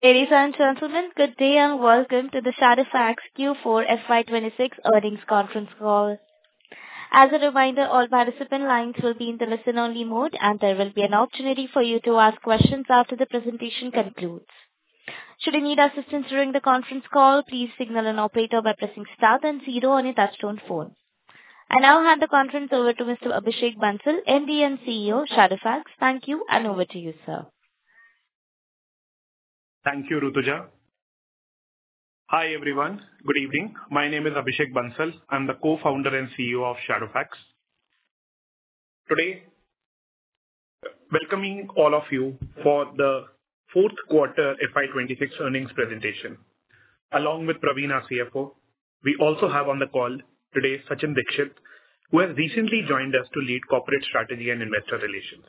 Ladies and gentlemen, good day and welcome to the Shadowfax Q4 FY 2026 earnings conference call. As a reminder, all participant lines will be in the listen-only mode, and there will be an opportunity for you to ask questions after the presentation concludes. Should you need assistance during the conference call, please signal an operator by pressing Star and Zero on your touch-tone phone. I now hand the conference over to Mr. Abhishek Bansal, MD and CEO, Shadowfax. Thank you, and over to you, sir. Thank you, Rutuja. Hi, everyone. Good evening. My name is Abhishek Bansal. I'm the co-founder and CEO of Shadowfax. Today, welcoming all of you for the fourth quarter FY 2026 earnings presentation. Along with Pravina, CFO, we also have on the call today Sachin Dixit, who has recently joined us to lead corporate strategy and investor relations.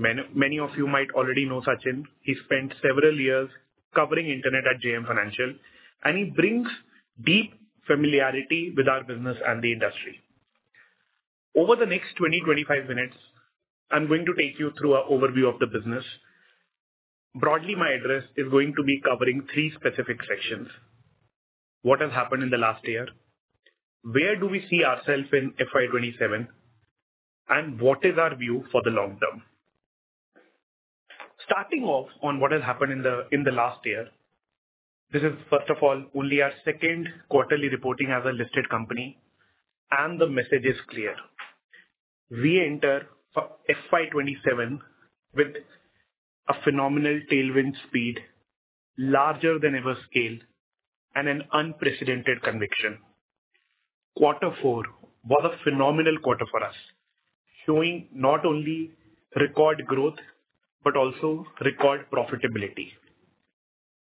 Many of you might already know Sachin. He spent several years covering Internet at JM Financial, and he brings deep familiarity with our business and the industry. Over the next 20, 25 minutes, I'm going to take you through our overview of the business. Broadly, my address is going to be covering three specific sections. What has happened in the last year, where do we see ourself in FY 2027, and what is our view for the long-term? Starting off on what has happened in the last year, this is first of all, only our second quarterly reporting as a listed company, and the message is clear. We enter FY 2027 with a phenomenal tailwind speed, larger than ever scale, and an unprecedented conviction. Quarter four was a phenomenal quarter for us, showing not only record growth, but also record profitability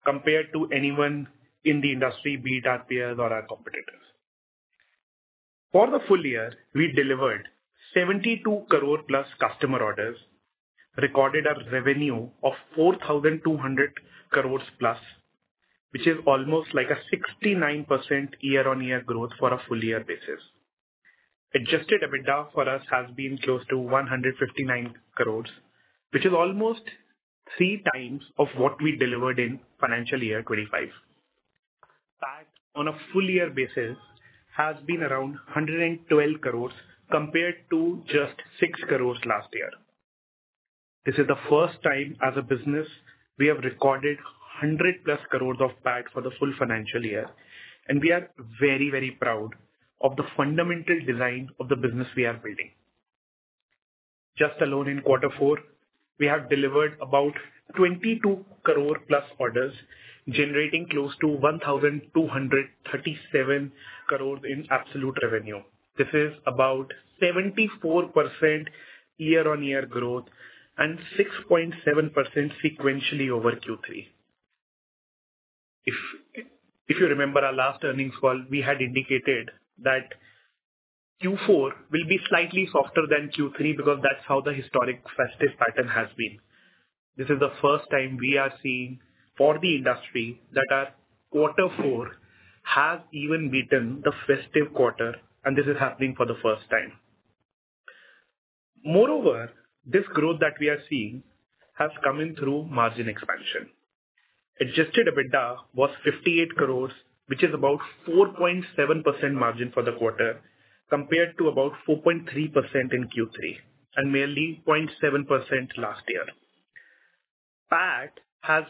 compared to anyone in the industry, be it our peers or our competitors. For the full year, we delivered 72 crore+ customer orders, recorded a revenue of 4,200 crore+, which is almost like a 69% year-on-year growth for a full-year basis. Adjusted EBITDA for us has been close to 159 crore, which is almost three times of what we delivered in financial year 2025. PAT, on a full-year basis, has been around 112 crore compared to just 6 crore last year. This is the first time as a business, we have recorded 100 crore+ of PAT for the full financial year, and we are very proud of the fundamental design of the business we are building. Just alone in quarter four, we have delivered about 22 crore+ orders, generating close to 1,237 crore in absolute revenue. This is about 74% year-on-year growth and 6.7% sequentially over Q3. If you remember our last earnings call, we had indicated that Q4 will be slightly softer than Q3 because that's how the historic festive pattern has been. This is the first time we are seeing for the industry that our quarter four has even beaten the festive quarter, and this is happening for the first time. This growth that we are seeing has come in through margin expansion. Adjusted EBITDA was 58 crores, which is about 4.7% margin for the quarter, compared to about 4.3% in Q3, and merely 0.7% last year. PAT has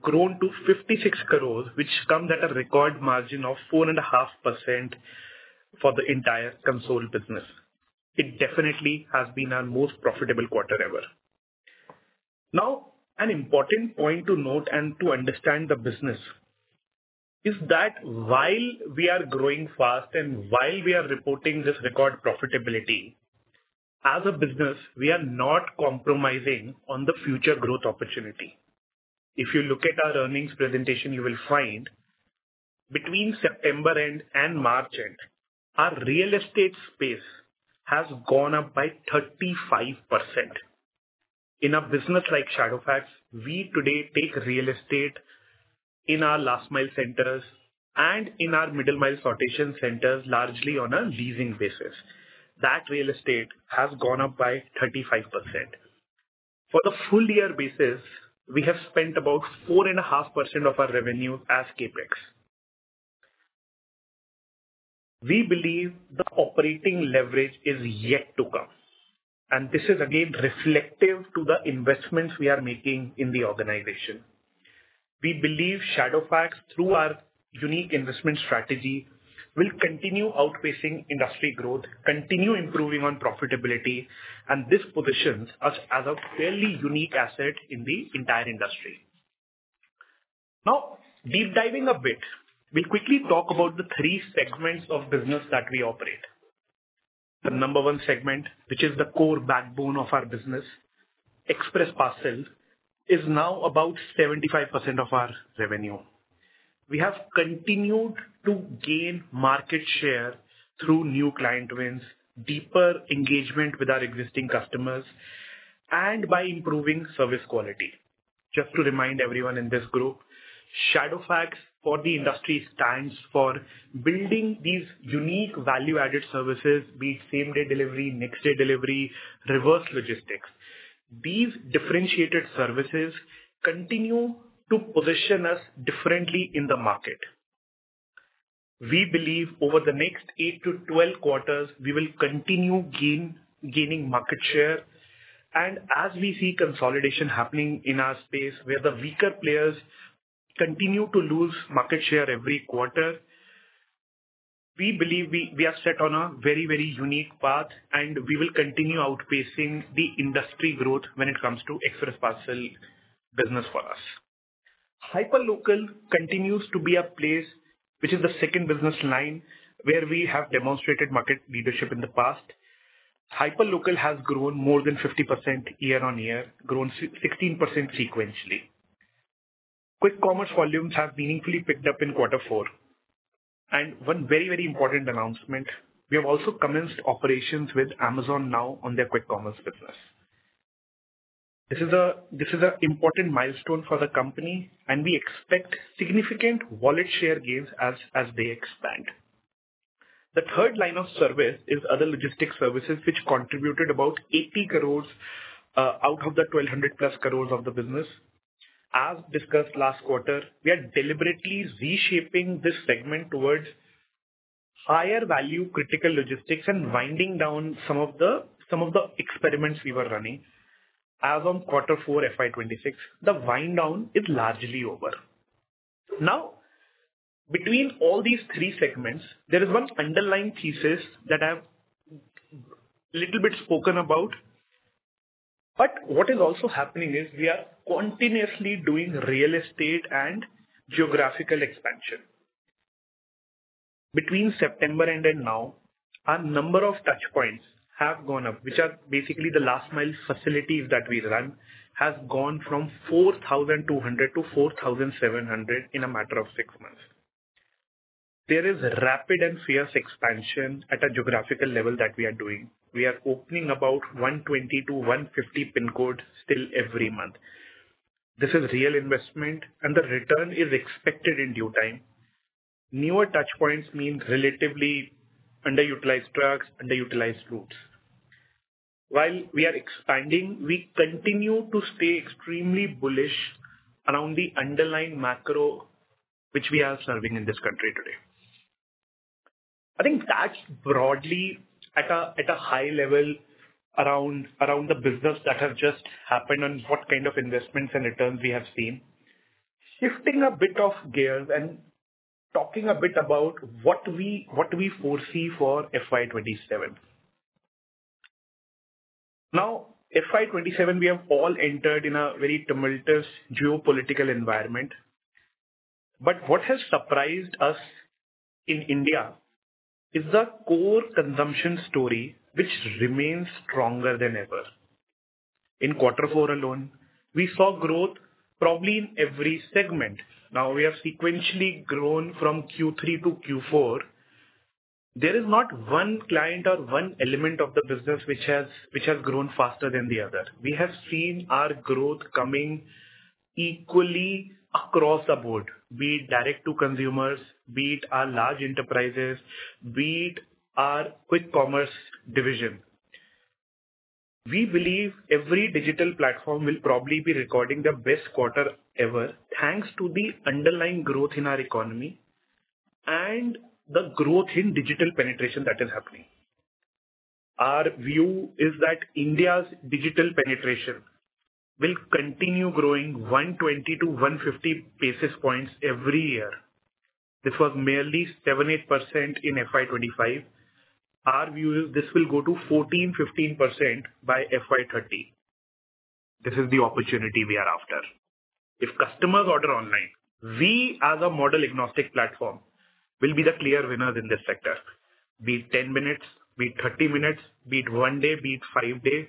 grown to 56 crores, which comes at a record margin of 4.5% for the entire core business. It definitely has been our most profitable quarter ever. An important point to note and to understand the business is that while we are growing fast and while we are reporting this record profitability, as a business, we are not compromising on the future growth opportunity. If you look at our earnings presentation, you will find between September end and March end, our real estate space has gone up by 35%. In a business like Shadowfax, we today take real estate in our last mile centers and in our middle mile sortation centers, largely on a leasing basis. That real estate has gone up by 35%. For the full year basis, we have spent about 4.5% of our revenue as CapEx. We believe the operating leverage is yet to come, and this is again reflective to the investments we are making in the organization. We believe Shadowfax, through our unique investment strategy, will continue outpacing industry growth, continue improving on profitability, and this positions us as a fairly unique asset in the entire industry. Deep diving a bit, we will quickly talk about the three segments of business that we operate. The number one segment, which is the core backbone of our business, express parcel, is now about 75% of our revenue. We have continued to gain market share through new client wins, deeper engagement with our existing customers, and by improving service quality. Just to remind everyone in this group Shadowfax for the industry stands for building these unique value-added services, be it same-day delivery, next-day delivery, reverse logistics. These differentiated services continue to position us differently in the market. We believe over the next eight to 12 quarters, we will continue gaining market share. As we see consolidation happening in our space where the weaker players continue to lose market share every quarter, we believe we are set on a very unique path, and we will continue outpacing the industry growth when it comes to express parcel business for us. Hyperlocal continues to be a place which is the second business line where we have demonstrated market leadership in the past. Hyperlocal has grown more than 50% year-on-year, grown 16% sequentially. Quick commerce volumes have meaningfully picked up in quarter four. One very important announcement, we have also commenced operations with Amazon now on their quick commerce business. This is an important milestone for the company, and we expect significant wallet share gains as they expand. The third line of service is other logistics services, which contributed about 80 crores, out of the 1,200 plus crores of the business. As discussed last quarter, we are deliberately reshaping this segment towards higher value critical logistics and winding down some of the experiments we were running. As on quarter four FY 2026, the wind down is largely over. Between all these three segments, there is one underlying thesis that I have little bit spoken about, but what is also happening is we are continuously doing real estate and geographical expansion. Between September and then now, our number of touch points have gone up, which are basically the last-mile facilities that we run, has gone from 4,200 to 4,700 in a matter of 6 months. There is rapid and fierce expansion at a geographical level that we are doing. We are opening about 120 to 150 PIN codes still every month. This is real investment, and the return is expected in due time. Newer touch points means relatively underutilized trucks, underutilized routes. While we are expanding, we continue to stay extremely bullish around the underlying macro which we are serving in this country today. I think that's broadly at a high level around the business that has just happened and what kind of investments and returns we have seen. Shifting a bit of gears and talking a bit about what we foresee for FY 2027. FY 2027, we have all entered in a very tumultuous geopolitical environment. What has surprised us in India is the core consumption story, which remains stronger than ever. In quarter four alone, we saw growth probably in every segment. We have sequentially grown from Q3 to Q4. There is not one client or one element of the business which has grown faster than the other. We have seen our growth coming equally across the board, be it direct to consumers, be it our large enterprises, be it our quick commerce division. We believe every digital platform will probably be recording their best quarter ever thanks to the underlying growth in our economy and the growth in digital penetration that is happening. Our view is that India's digital penetration will continue growing 120 to 150 basis points every year. This was merely 78% in FY 2025. Our view is this will go to 14%-15% by FY 2030. This is the opportunity we are after. If customers order online, we as a model agnostic platform will be the clear winners in this sector, be it 10 minutes, be it 30 minutes, be it one day, be it five days,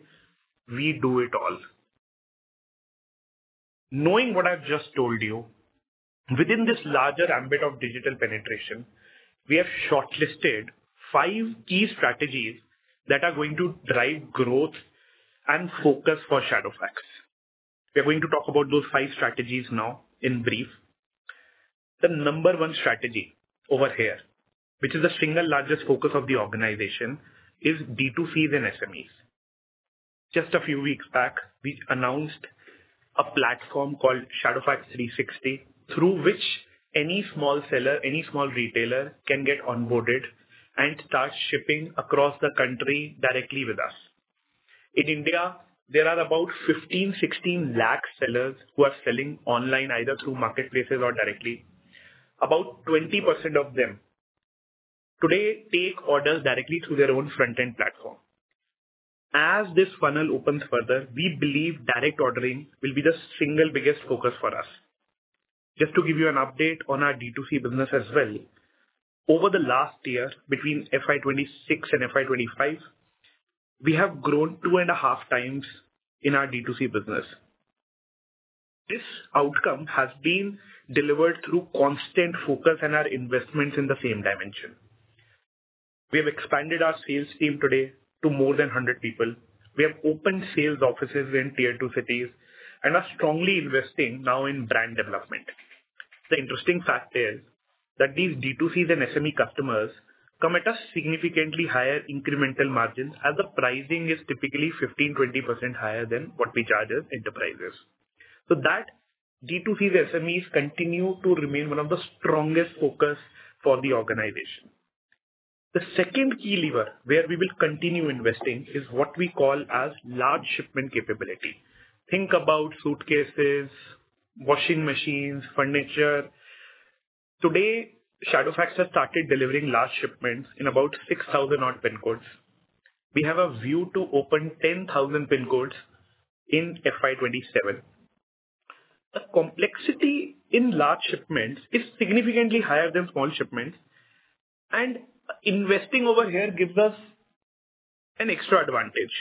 we do it all. Knowing what I've just told you, within this larger ambit of digital penetration, we have shortlisted five key strategies that are going to drive growth and focus for Shadowfax. We are going to talk about those five strategies now in brief. The number one strategy over here, which is the single largest focus of the organization, is D2Cs and SMEs. Just a few weeks back, we announced a platform called Shadowfax 360, through which any small seller, any small retailer can get onboarded and start shipping across the country directly with us. In India, there are about 15-16 lakh sellers who are selling online either through marketplaces or directly. About 20% of them today take orders directly through their own front-end platform. As this funnel opens further, we believe direct ordering will be the single biggest focus for us. Just to give you an update on our D2C business as well. Over the last year, between FY 2026 and FY 2025, we have grown two and a half times in our D2C business. This outcome has been delivered through constant focus and our investments in the same dimension. We have expanded our sales team today to more than 100 people. We have opened sales offices in tier 2 cities and are strongly investing now in brand development. The interesting fact is that these D2C and SME customers come at a significantly higher incremental margin, as the pricing is typically 15%-20% higher than what we charge as enterprises. That D2C, the SMEs continue to remain one of the strongest focus for the organization. The second key lever where we will continue investing is what we call as large shipment capability. Think about suitcases, washing machines, furniture. Today, Shadowfax has started delivering large shipments in about 6,000 odd PIN codes. We have a view to open 10,000 PIN codes in FY 2027. The complexity in large shipments is significantly higher than small shipments, and investing over here gives us an extra advantage.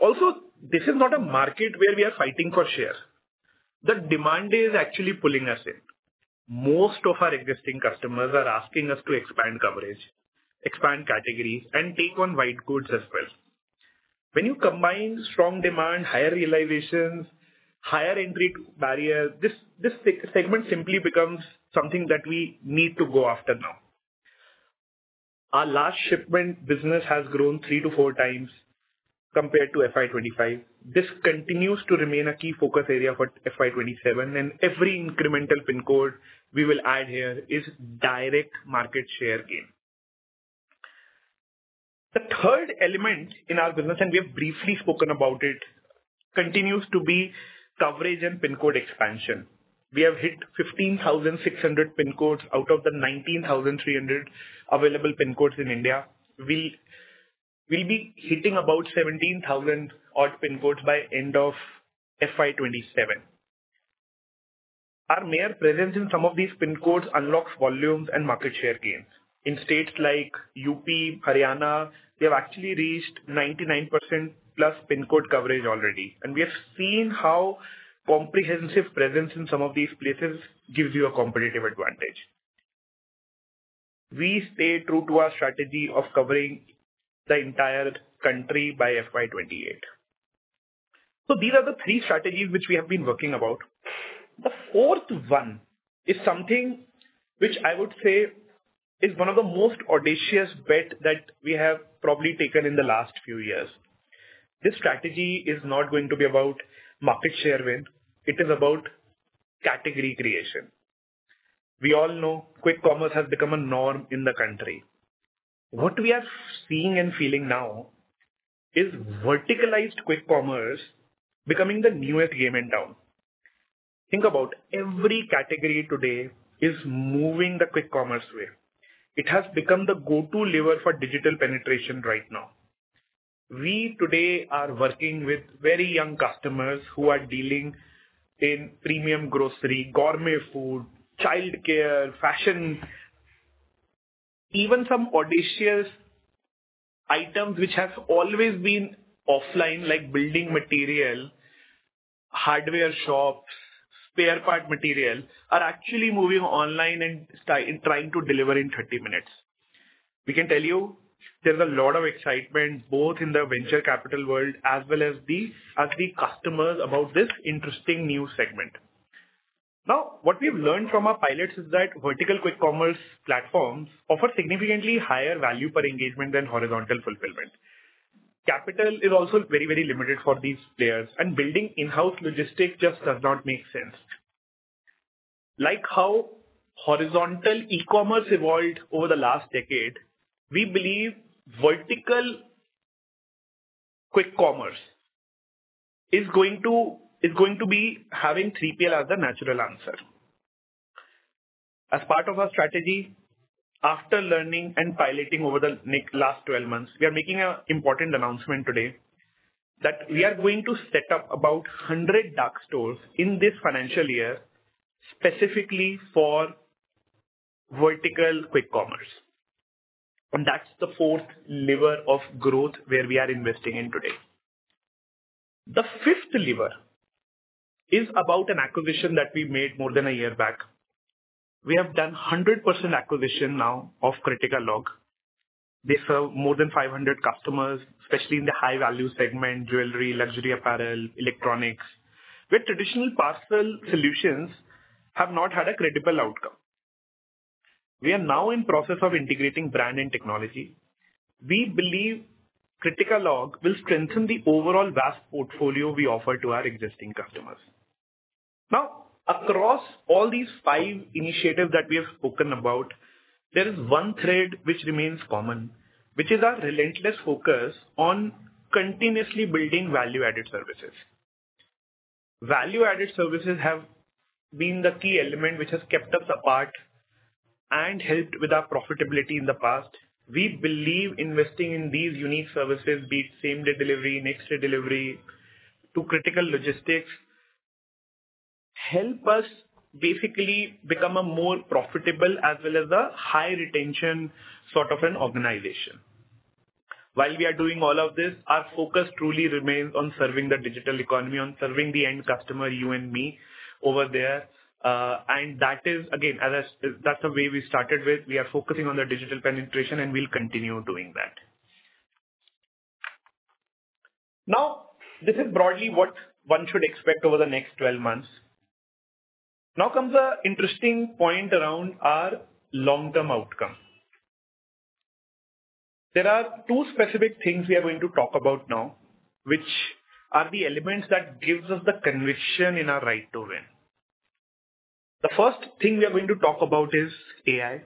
Also, this is not a market where we are fighting for share. The demand is actually pulling us in. Most of our existing customers are asking us to expand coverage, expand categories, and take on white goods as well. When you combine strong demand, higher realizations, higher entry barriers, this segment simply becomes something that we need to go after now. Our large shipment business has grown three to four times compared to FY 2025. This continues to remain a key focus area for FY 2027, and every incremental PIN code we will add here is direct market share gain. The third element in our business, and we have briefly spoken about it, continues to be coverage and PIN code expansion. We have hit 15,600 PIN codes out of the 19,300 available PIN codes in India. We'll be hitting about 17,000 odd PIN codes by end of FY 2027. Our mere presence in some of these PIN codes unlocks volumes and market share gains. In states like UP, Haryana, we have actually reached 99% plus PIN code coverage already, and we have seen how comprehensive presence in some of these places gives you a competitive advantage. We stay true to our strategy of covering the entire country by FY 2028. These are the three strategies which we have been working about. The fourth one is something which I would say is one of the most audacious bet that we have probably taken in the last few years. This strategy is not going to be about market share win. It is about category creation. We all know quick commerce has become a norm in the country. What we are seeing and feeling now is verticalized quick commerce becoming the newest game in town. Think about every category today is moving the quick commerce way. It has become the go-to lever for digital penetration right now. We today are working with very young customers who are dealing in premium grocery, gourmet food, childcare, fashion, even some audacious items which have always been offline, like building material, hardware shops, spare part material, are actually moving online and trying to deliver in 30 minutes. We can tell you there's a lot of excitement both in the venture capital world as well as the customers about this interesting new segment. What we've learned from our pilots is that vertical quick commerce platforms offer significantly higher value per engagement than horizontal fulfillment. Capital is also very limited for these players, and building in-house logistics just does not make sense. Like how horizontal e-commerce evolved over the last decade, we believe vertical quick commerce is going to be having 3PL as a natural answer. As part of our strategy, after learning and piloting over the last 12 months, we are making an important announcement today that we are going to set up about 100 dark stores in this financial year, specifically for vertical quick commerce. That's the fourth lever of growth where we are investing in today. The fifth lever is about an acquisition that we made more than a year back. We have done 100% acquisition now of CriticaLog. They serve more than 500 customers, especially in the high-value segment, jewelry, luxury apparel, electronics, where traditional parcel solutions have not had a credible outcome. We are now in process of integrating brand and technology. We believe CriticaLog will strengthen the overall vast portfolio we offer to our existing customers. Now, across all these five initiatives that we have spoken about, there is one thread which remains common, which is our relentless focus on continuously building value-added services. Value-added services have been the key element which has kept us apart and helped with our profitability in the past. We believe investing in these unique services, be it same-day delivery, next-day delivery to critical logistics, help us basically become a more profitable as well as a high retention sort of an organization. While we are doing all of this, our focus truly remains on serving the digital economy, on serving the end customer, you and me, over there. And that is, again, that's the way we started with. We are focusing on the digital penetration, and we'll continue doing that. Now, this is broadly what one should expect over the next 12 months. Now comes an interesting point around our long-term outcome. There are two specific things we are going to talk about now, which are the elements that gives us the conviction in our right to win. The first thing we are going to talk about is AI,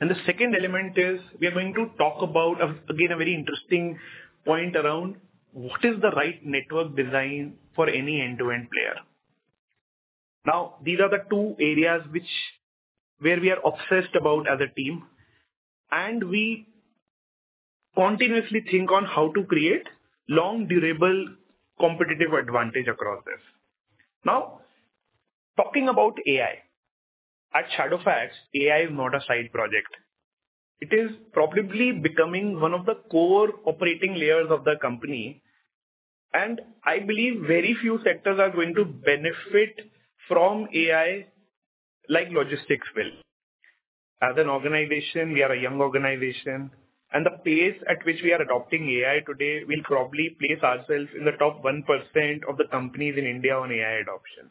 and the second element is we are going to talk about, again, a very interesting point around what is the right network design for any end-to-end player. Now, these are the two areas where we are obsessed about as a team, and we continuously think on how to create long, durable, competitive advantage across this. Now, talking about AI. At Shadowfax, AI is not a side project. It is probably becoming one of the core operating layers of the company, and I believe very few sectors are going to benefit from AI like logistics will. As an organization, we are a young organization, and the pace at which we are adopting AI today will probably place ourselves in the top 1% of the companies in India on AI adoption.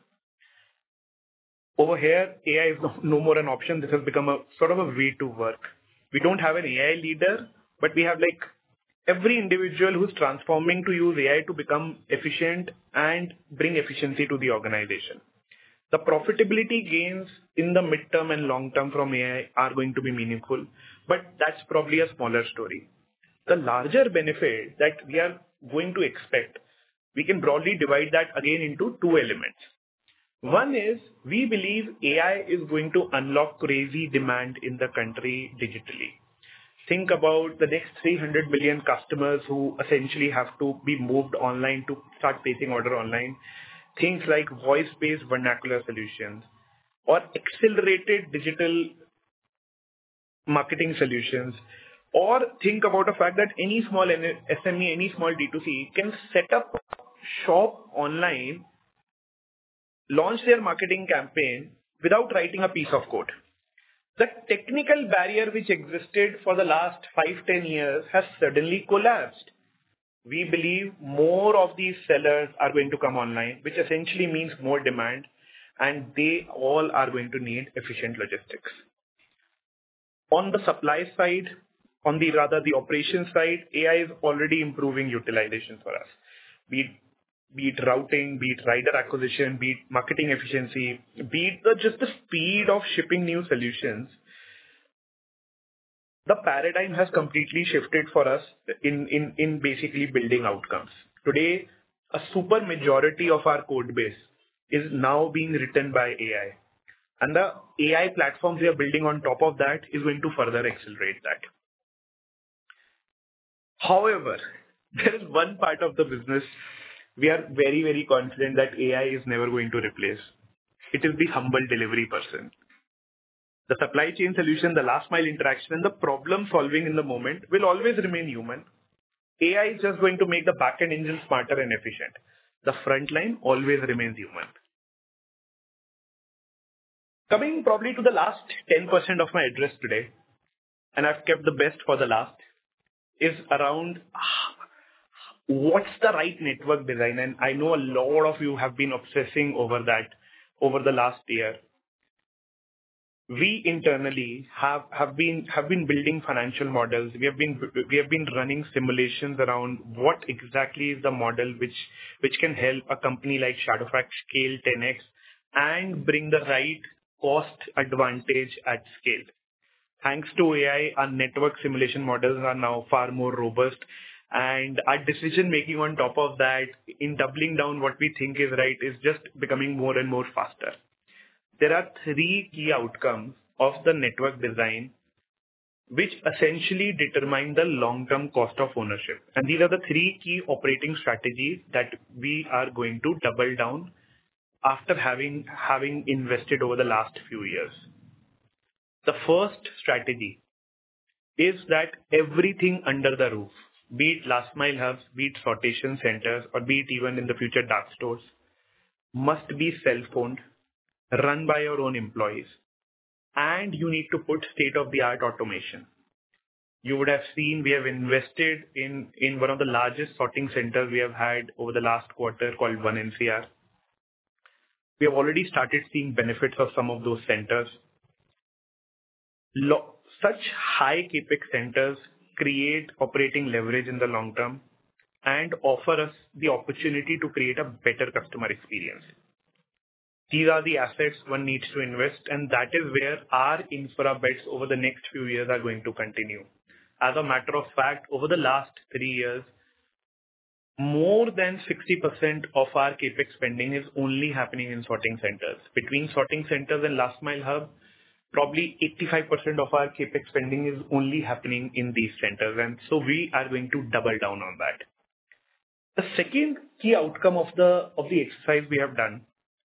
Over here, AI is no more an option. This has become a sort of a way to work. We don't have an AI leader, but we have every individual who's transforming to use AI to become efficient and bring efficiency to the organization. The profitability gains in the midterm and long term from AI are going to be meaningful, but that's probably a smaller story. The larger benefit that we are going to expect, we can broadly divide that again into two elements. One is we believe AI is going to unlock crazy demand in the country digitally. Think about the next 300 million customers who essentially have to be moved online to start placing order online. Things like voice-based vernacular solutions or accelerated digital marketing solutions. Think about the fact that any small SME, any small D2C, can set up shop online, launch their marketing campaign without writing a piece of code. The technical barrier which existed for the last five, 10 years has suddenly collapsed. We believe more of these sellers are going to come online, which essentially means more demand, and they all are going to need efficient logistics. On the supply side, on rather the operations side, AI is already improving utilization for us. Be it routing, be it rider acquisition, be it marketing efficiency, be it just the speed of shipping new solutions, the paradigm has completely shifted for us in basically building outcomes. Today, a super majority of our code base is now being written by AI, the AI platforms we are building on top of that is going to further accelerate that. However, there is one part of the business we are very, very confident that AI is never going to replace. It is the humble delivery person. The supply chain solution, the last mile interaction, the problem-solving in the moment will always remain human. AI is just going to make the back-end engine smarter and efficient. The frontline always remains human. Coming probably to the last 10% of my address today, I've kept the best for the last, is around what's the right network design. I know a lot of you have been obsessing over that over the last year. We internally have been building financial models. We have been running simulations around what exactly is the model which can help a company like Shadowfax scale 10x and bring the right cost advantage at scale. Thanks to AI, our network simulation models are now far more robust, our decision-making on top of that in doubling down what we think is right is just becoming more and more faster. There are three key outcomes of the network design which essentially determine the long-term cost of ownership, these are the three key operating strategies that we are going to double down after having invested over the last few years. The first strategy is that everything under the roof, be it last mile hubs, be it sortation centers, or be it even in the future dark stores, must be self-owned, run by your own employees. You need to put state-of-the-art automation. You would have seen we have invested in one of the largest sorting centers we have had over the last quarter, called One NCR. We have already started seeing benefits of some of those centers. Such high CapEx centers create operating leverage in the long term and offer us the opportunity to create a better customer experience. These are the assets one needs to invest, that is where our infra bets over the next few years are going to continue. As a matter of fact, over the last three years, more than 60% of our CapEx spending is only happening in sorting centers. Between sorting centers and last mile hub, probably 85% of our CapEx spending is only happening in these centers, so we are going to double down on that. The second key outcome of the exercise we have done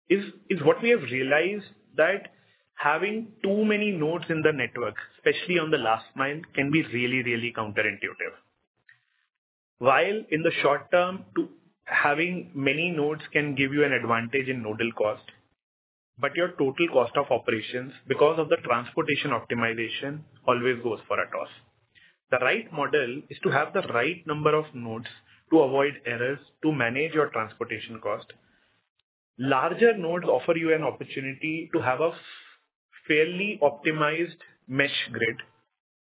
is what we have realized that having too many nodes in the network, especially on the last mile, can be really, really counterintuitive. While in the short term, having many nodes can give you an advantage in nodal cost, your total cost of operations, because of the transportation optimization, always goes for a toss. The right model is to have the right number of nodes to avoid errors to manage your transportation cost. Larger nodes offer you an opportunity to have a fairly optimized mesh grid,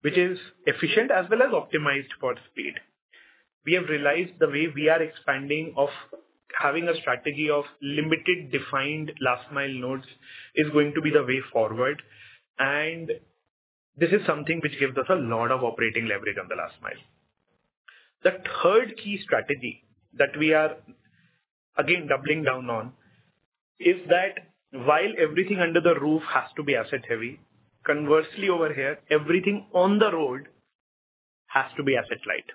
which is efficient as well as optimized for speed. We have realized the way we are expanding of having a strategy of limited defined last mile nodes is going to be the way forward, this is something which gives us a lot of operating leverage on the last mile. The third key strategy that we are again doubling down on is that while everything under the roof has to be asset heavy, conversely over here, everything on the road has to be asset light.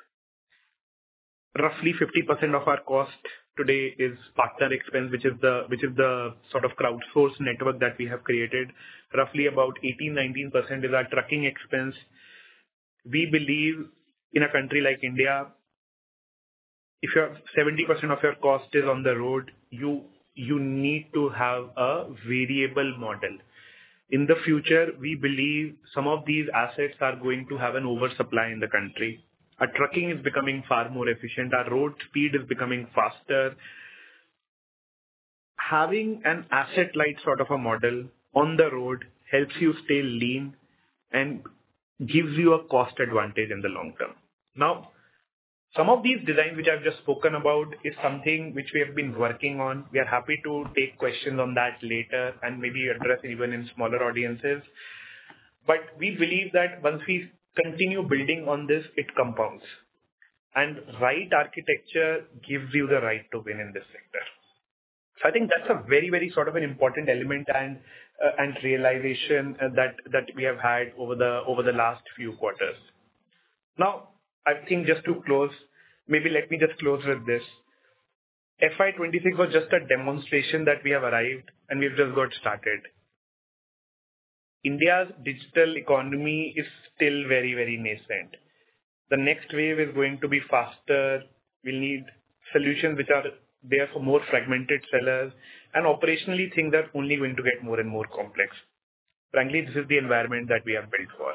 Roughly 50% of our cost today is partner expense, which is the sort of crowdsourced network that we have created. Roughly about 18, 19% is our trucking expense. We believe in a country like India, if 70% of your cost is on the road, you need to have a variable model. In the future, we believe some of these assets are going to have an oversupply in the country. Our trucking is becoming far more efficient. Our road speed is becoming faster. Having an asset-light sort of a model on the road helps you stay lean and gives you a cost advantage in the long term. Some of these designs which I've just spoken about is something which we have been working on. We are happy to take questions on that later and maybe address even in smaller audiences. We believe that once we continue building on this, it compounds. Right architecture gives you the right to win in this sector. I think that's a very sort of an important element and realization that we have had over the last few quarters. I think just to close, maybe let me just close with this. FY 2026 was just a demonstration that we have arrived and we've just got started. India's digital economy is still very nascent. The next wave is going to be faster. We'll need solutions which are there for more fragmented sellers and operationally things are only going to get more and more complex. Frankly, this is the environment that we are built for.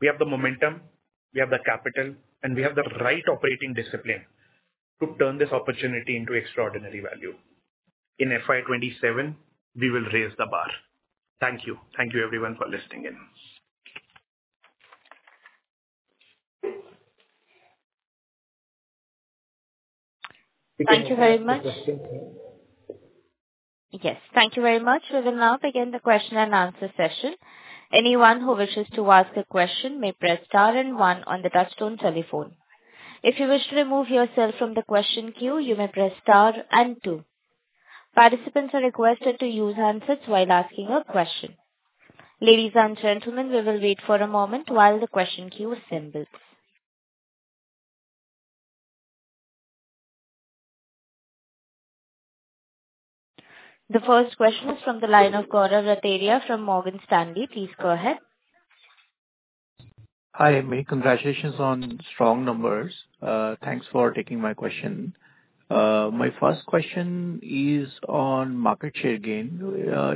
We have the momentum, we have the capital, we have the right operating discipline to turn this opportunity into extraordinary value. In FY 2027, we will raise the bar. Thank you. Thank you everyone for listening in. Thank you very much. We can begin the question and answer session. Yes. Thank you very much. We will now begin the question and answer session. Anyone who wishes to ask a question may press star and one on the touchtone telephone. If you wish to remove yourself from the question queue, you may press star and two. Participants are requested to use handsets while asking a question. Ladies and gentlemen, we will wait for a moment while the question queue assembles. The first question is from the line of Gaurav Rateria from Morgan Stanley. Please go ahead. Hi, Mayur. Congratulations on strong numbers. Thanks for taking my question. My first question is on market share gain.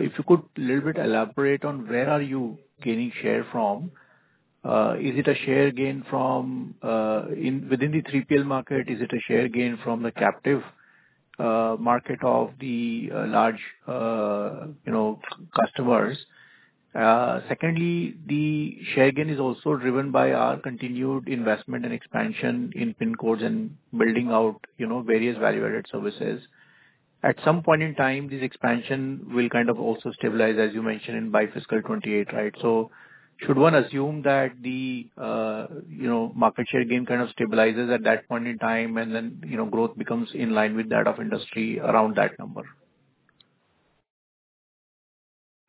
If you could little bit elaborate on where are you gaining share from. Is it a share gain from within the 3PL market? Is it a share gain from the captive market of the large customers? Secondly, the share gain is also driven by our continued investment and expansion in pin codes and building out various value-added services. At some point in time, this expansion will kind of also stabilize, as you mentioned, by fiscal 2028, right? Should one assume that the market share gain kind of stabilizes at that point in time, and then growth becomes in line with that of industry around that number?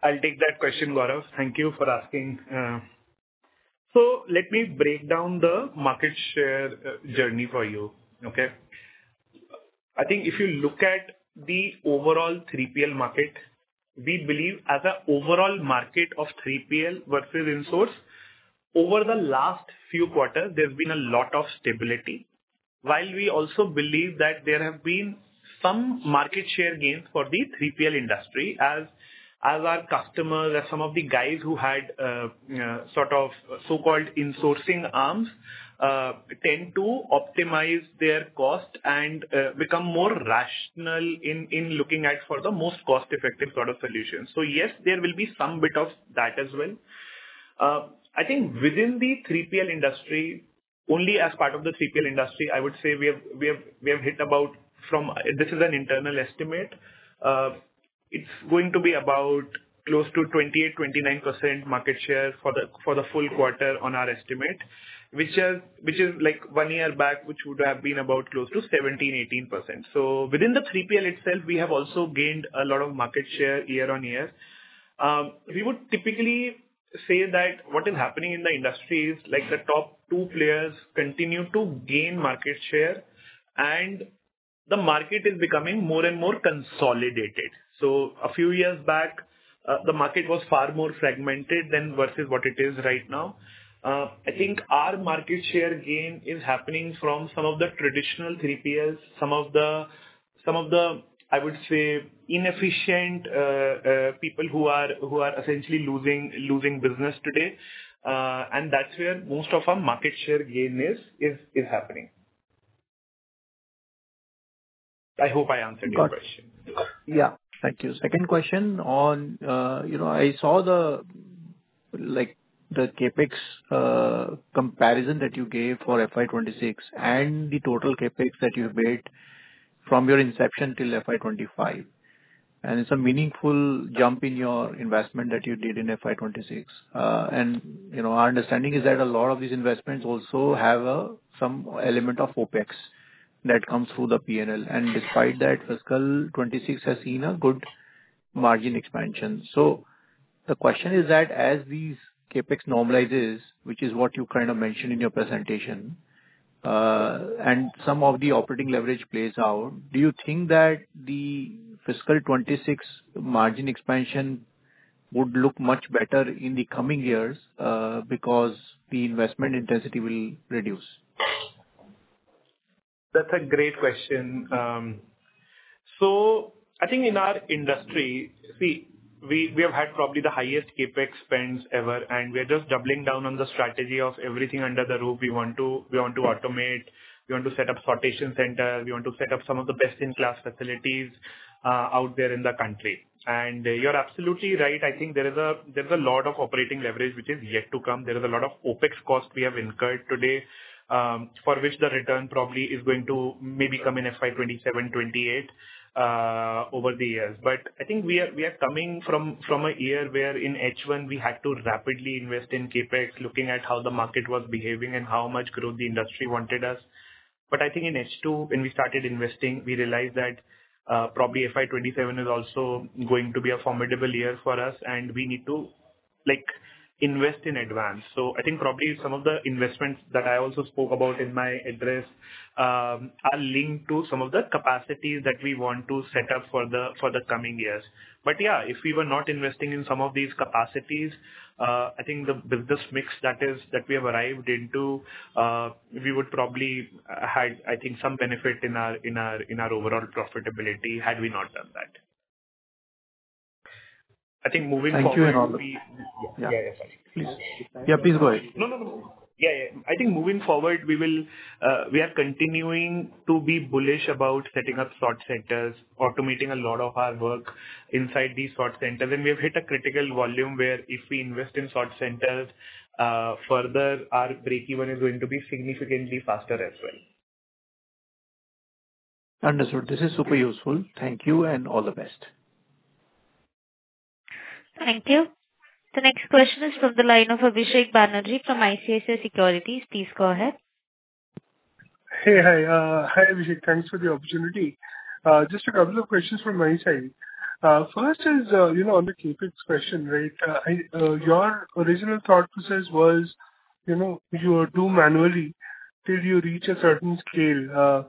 I'll take that question, Gaurav. Thank you for asking. Let me break down the market share journey for you. Okay. I think if you look at the overall 3PL market, we believe as an overall market of 3PL versus insourced, over the last few quarters, there's been a lot of stability. While we also believe that there have been some market share gains for the 3PL industry as our customers or some of the guys who had sort of so-called insourcing arms, tend to optimize their cost and become more rational in looking at for the most cost-effective sort of solution. Yes, there will be some bit of that as well. I think within the 3PL industry, only as part of the 3PL industry, I would say we have hit about. This is an internal estimate. It's going to be about close to 28%-29% market share for the full quarter on our estimate, which is like one year back, which would have been about close to 17%-18%. Within the 3PL itself, we have also gained a lot of market share year-on-year. We would typically say that what is happening in the industry is the top two players continue to gain market share, and the market is becoming more and more consolidated. A few years back, the market was far more fragmented than versus what it is right now. I think our market share gain is happening from some of the traditional three players, some of the, I would say, inefficient people who are essentially losing business today. That's where most of our market share gain is happening. I hope I answered your question. Got it. Yeah. Thank you. Second question on, I saw the CapEx comparison that you gave for FY 2026 and the total CapEx that you've made from your inception till FY 2025, and it's a meaningful jump in your investment that you did in FY 2026. Our understanding is that a lot of these investments also have some element of OpEx that comes through the P&L. Despite that, fiscal 2026 has seen a good margin expansion. The question is that as these CapEx normalizes, which is what you kind of mentioned in your presentation, and some of the operating leverage plays out, do you think that the fiscal 2026 margin expansion would look much better in the coming years, because the investment intensity will reduce? That's a great question. I think in our industry, we have had probably the highest CapEx spends ever, and we are just doubling down on the strategy of everything under the roof. We want to automate, we want to set up sortation centers, we want to set up some of the best-in-class facilities out there in the country. You're absolutely right, I think there's a lot of operating leverage which is yet to come. There is a lot of OpEx cost we have incurred today, for which the return probably is going to maybe come in FY 2027, 2028, over the years. I think we are coming from a year where in H1 we had to rapidly invest in CapEx, looking at how the market was behaving and how much growth the industry wanted us. I think in H2, when we started investing, we realized that probably FY 2027 is also going to be a formidable year for us, and we need to invest in advance. I think probably some of the investments that I also spoke about in my address are linked to some of the capacities that we want to set up for the coming years. Yeah, if we were not investing in some of these capacities, I think the business mix that we have arrived into, we would probably had some benefit in our overall profitability had we not done that. I think moving forward. Thank you and all the. Yeah. Sorry. Please. Yeah, please go ahead. No, no. I think moving forward, we are continuing to be bullish about setting up sort centers, automating a lot of our work inside these sort centers. We have hit a critical volume where if we invest in sort centers further, our breakeven is going to be significantly faster as well. Understood. This is super useful. Thank you. All the best. Thank you. The next question is from the line of Abhishek Banerjee from ICICI Securities. Please go ahead. Hey. Hi, Abhishek. Thanks for the opportunity. Just a couple of questions from my side. First is on the CapEx question, right? Your original thought process was, you do manually till you reach a certain scale,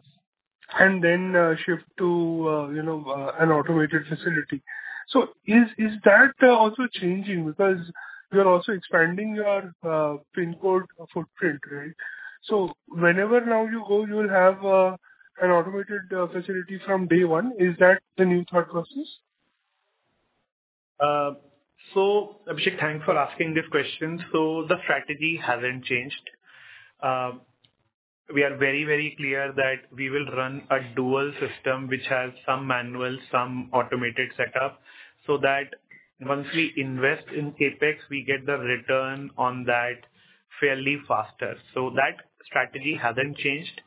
then shift to an automated facility. Is that also changing because you're also expanding your pin code footprint, right? Whenever now you go, you will have an automated facility from day one. Is that the new thought process? Abhishek, thanks for asking this question. The strategy hasn't changed. We are very clear that we will run a dual system which has some manual, some automated setup, so that once we invest in CapEx, we get the return on that fairly faster. That strategy hasn't changed.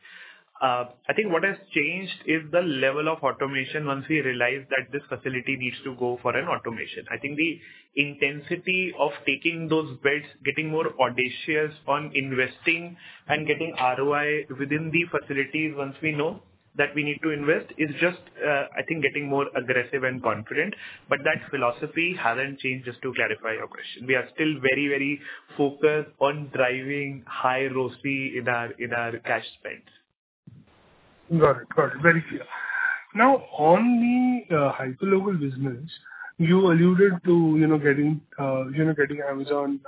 I think what has changed is the level of automation once we realize that this facility needs to go for an automation. I think the intensity of taking those bets, getting more audacious on investing and getting ROI within the facilities once we know that we need to invest is just, I think, getting more aggressive and confident. That philosophy hasn't changed, just to clarify your question. We are still very focused on driving high ROCE in our cash spends. Got it. Very clear. On the hyperlocal business, you alluded to getting Amazon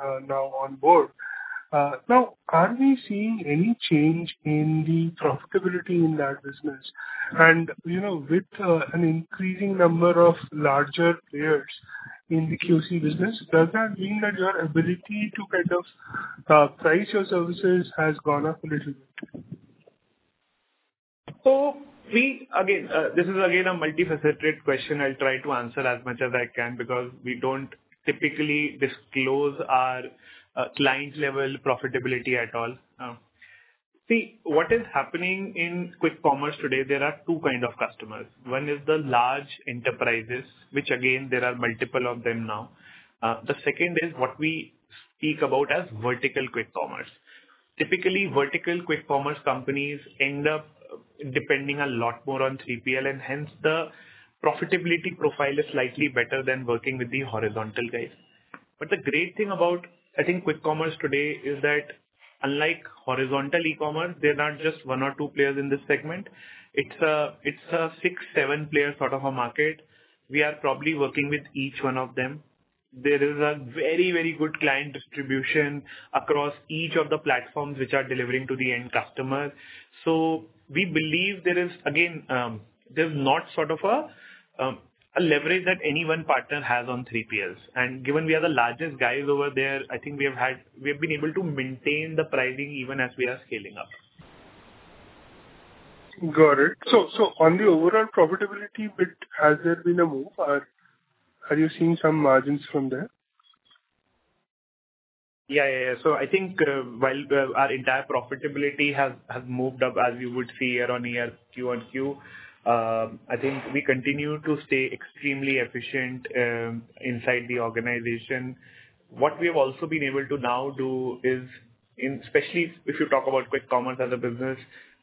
now on board. Are we seeing any change in the profitability in that business? With an increasing number of larger players in the QC business, does that mean that your ability to price your services has gone up a little bit? Again, this is a multifaceted question. I'll try to answer as much as I can because we don't typically disclose our client-level profitability at all. See, what is happening in quick commerce today, there are two kinds of customers. One is the large enterprises, which again, there are multiple of them now. The second is what we speak about as vertical quick commerce. Typically, vertical quick commerce companies end up depending a lot more on 3PL, and hence the profitability profile is slightly better than working with the horizontal guys. The great thing about, I think quick commerce today is that unlike horizontal e-commerce, there are not just one or two players in this segment. It's a six, seven-player sort of a market. We are probably working with each one of them. There is a very good client distribution across each of the platforms which are delivering to the end customer. We believe, again, there's not sort of a leverage that any one partner has on 3PLs. Given we are the largest guys over there, I think we've been able to maintain the pricing even as we are scaling up. Got it. On the overall profitability bit, has there been a move, or are you seeing some margins from there? Yeah. I think while our entire profitability has moved up, as you would see year-over-year, quarter-over-quarter, I think we continue to stay extremely efficient inside the organization. What we have also been able to now do is, especially if you talk about quick commerce as a business,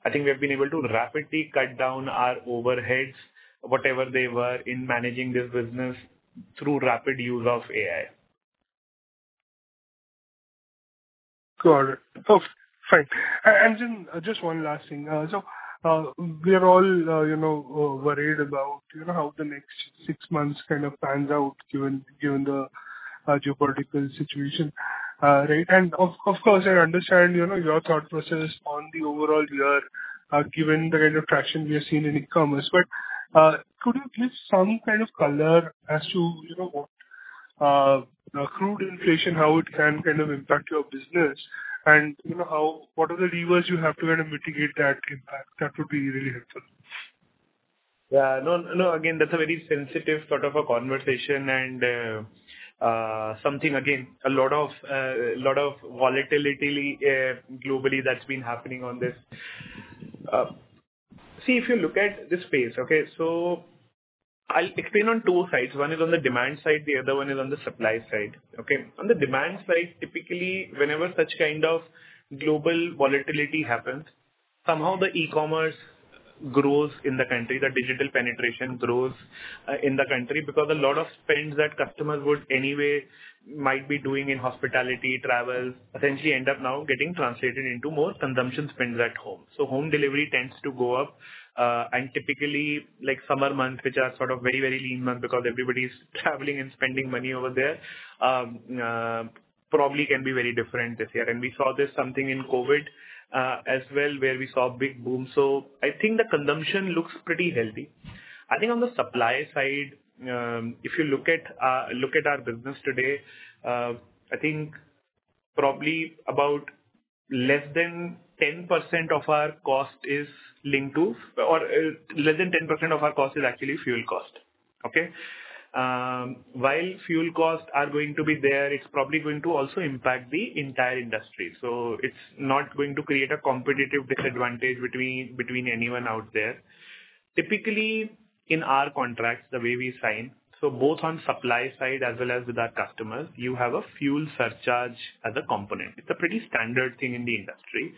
I think we have been able to rapidly cut down our overheads, whatever they were, in managing this business through rapid use of AI. Got it. Fine. Just one last thing. We are all worried about how the next 6 months kind of pans out given the geopolitical situation. Right. Of course, I understand your thought process on the overall year, given the kind of traction we are seeing in e-commerce. Could you give some kind of color as to what crude inflation, how it can kind of impact your business, and what are the levers you have to kind of mitigate that impact? That would be really helpful. Yeah. Again, that's a very sensitive sort of a conversation and something, again, a lot of volatility globally that's been happening on this. See, if you look at the space, okay, I'll explain on 2 sides. One is on the demand side, the other one is on the supply side. Okay? On the demand side, typically, whenever such kind of global volatility happens, somehow the e-commerce grows in the country, the digital penetration grows in the country because a lot of spends that customers would anyway might be doing in hospitality, travel, essentially end up now getting translated into more consumption spends at home. Home delivery tends to go up. Typically, summer months, which are sort of very lean months because everybody's traveling and spending money over there, probably can be very different this year. We saw this something in COVID, as well, where we saw a big boom. I think the consumption looks pretty healthy. On the supply side, if you look at our business today, I think probably about less than 10% of our cost is linked to or less than 10% of our cost is actually fuel cost. Okay. Fuel costs are going to be there, it's probably going to also impact the entire industry. It's not going to create a competitive disadvantage between anyone out there. Typically, in our contracts, the way we sign, so both on supply side as well as with our customers, you have a fuel surcharge as a component. It's a pretty standard thing in the industry.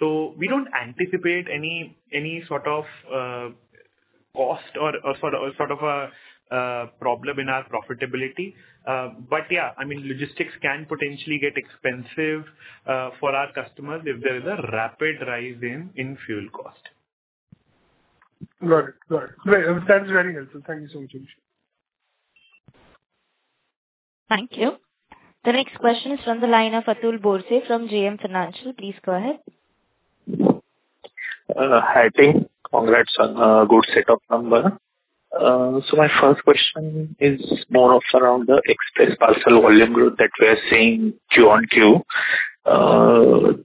We don't anticipate any sort of cost or sort of a problem in our profitability. Yeah, I mean, logistics can potentially get expensive for our customers if there is a rapid rise in fuel cost. Got it. Great. That's very helpful. Thank you so much, Abhishek. Thank you. The next question is from the line of Atul Borse from JM Financial. Please go ahead. Hi, team. Congrats on good set of number. My first question is more of around the express parcel volume growth that we are seeing Q on Q.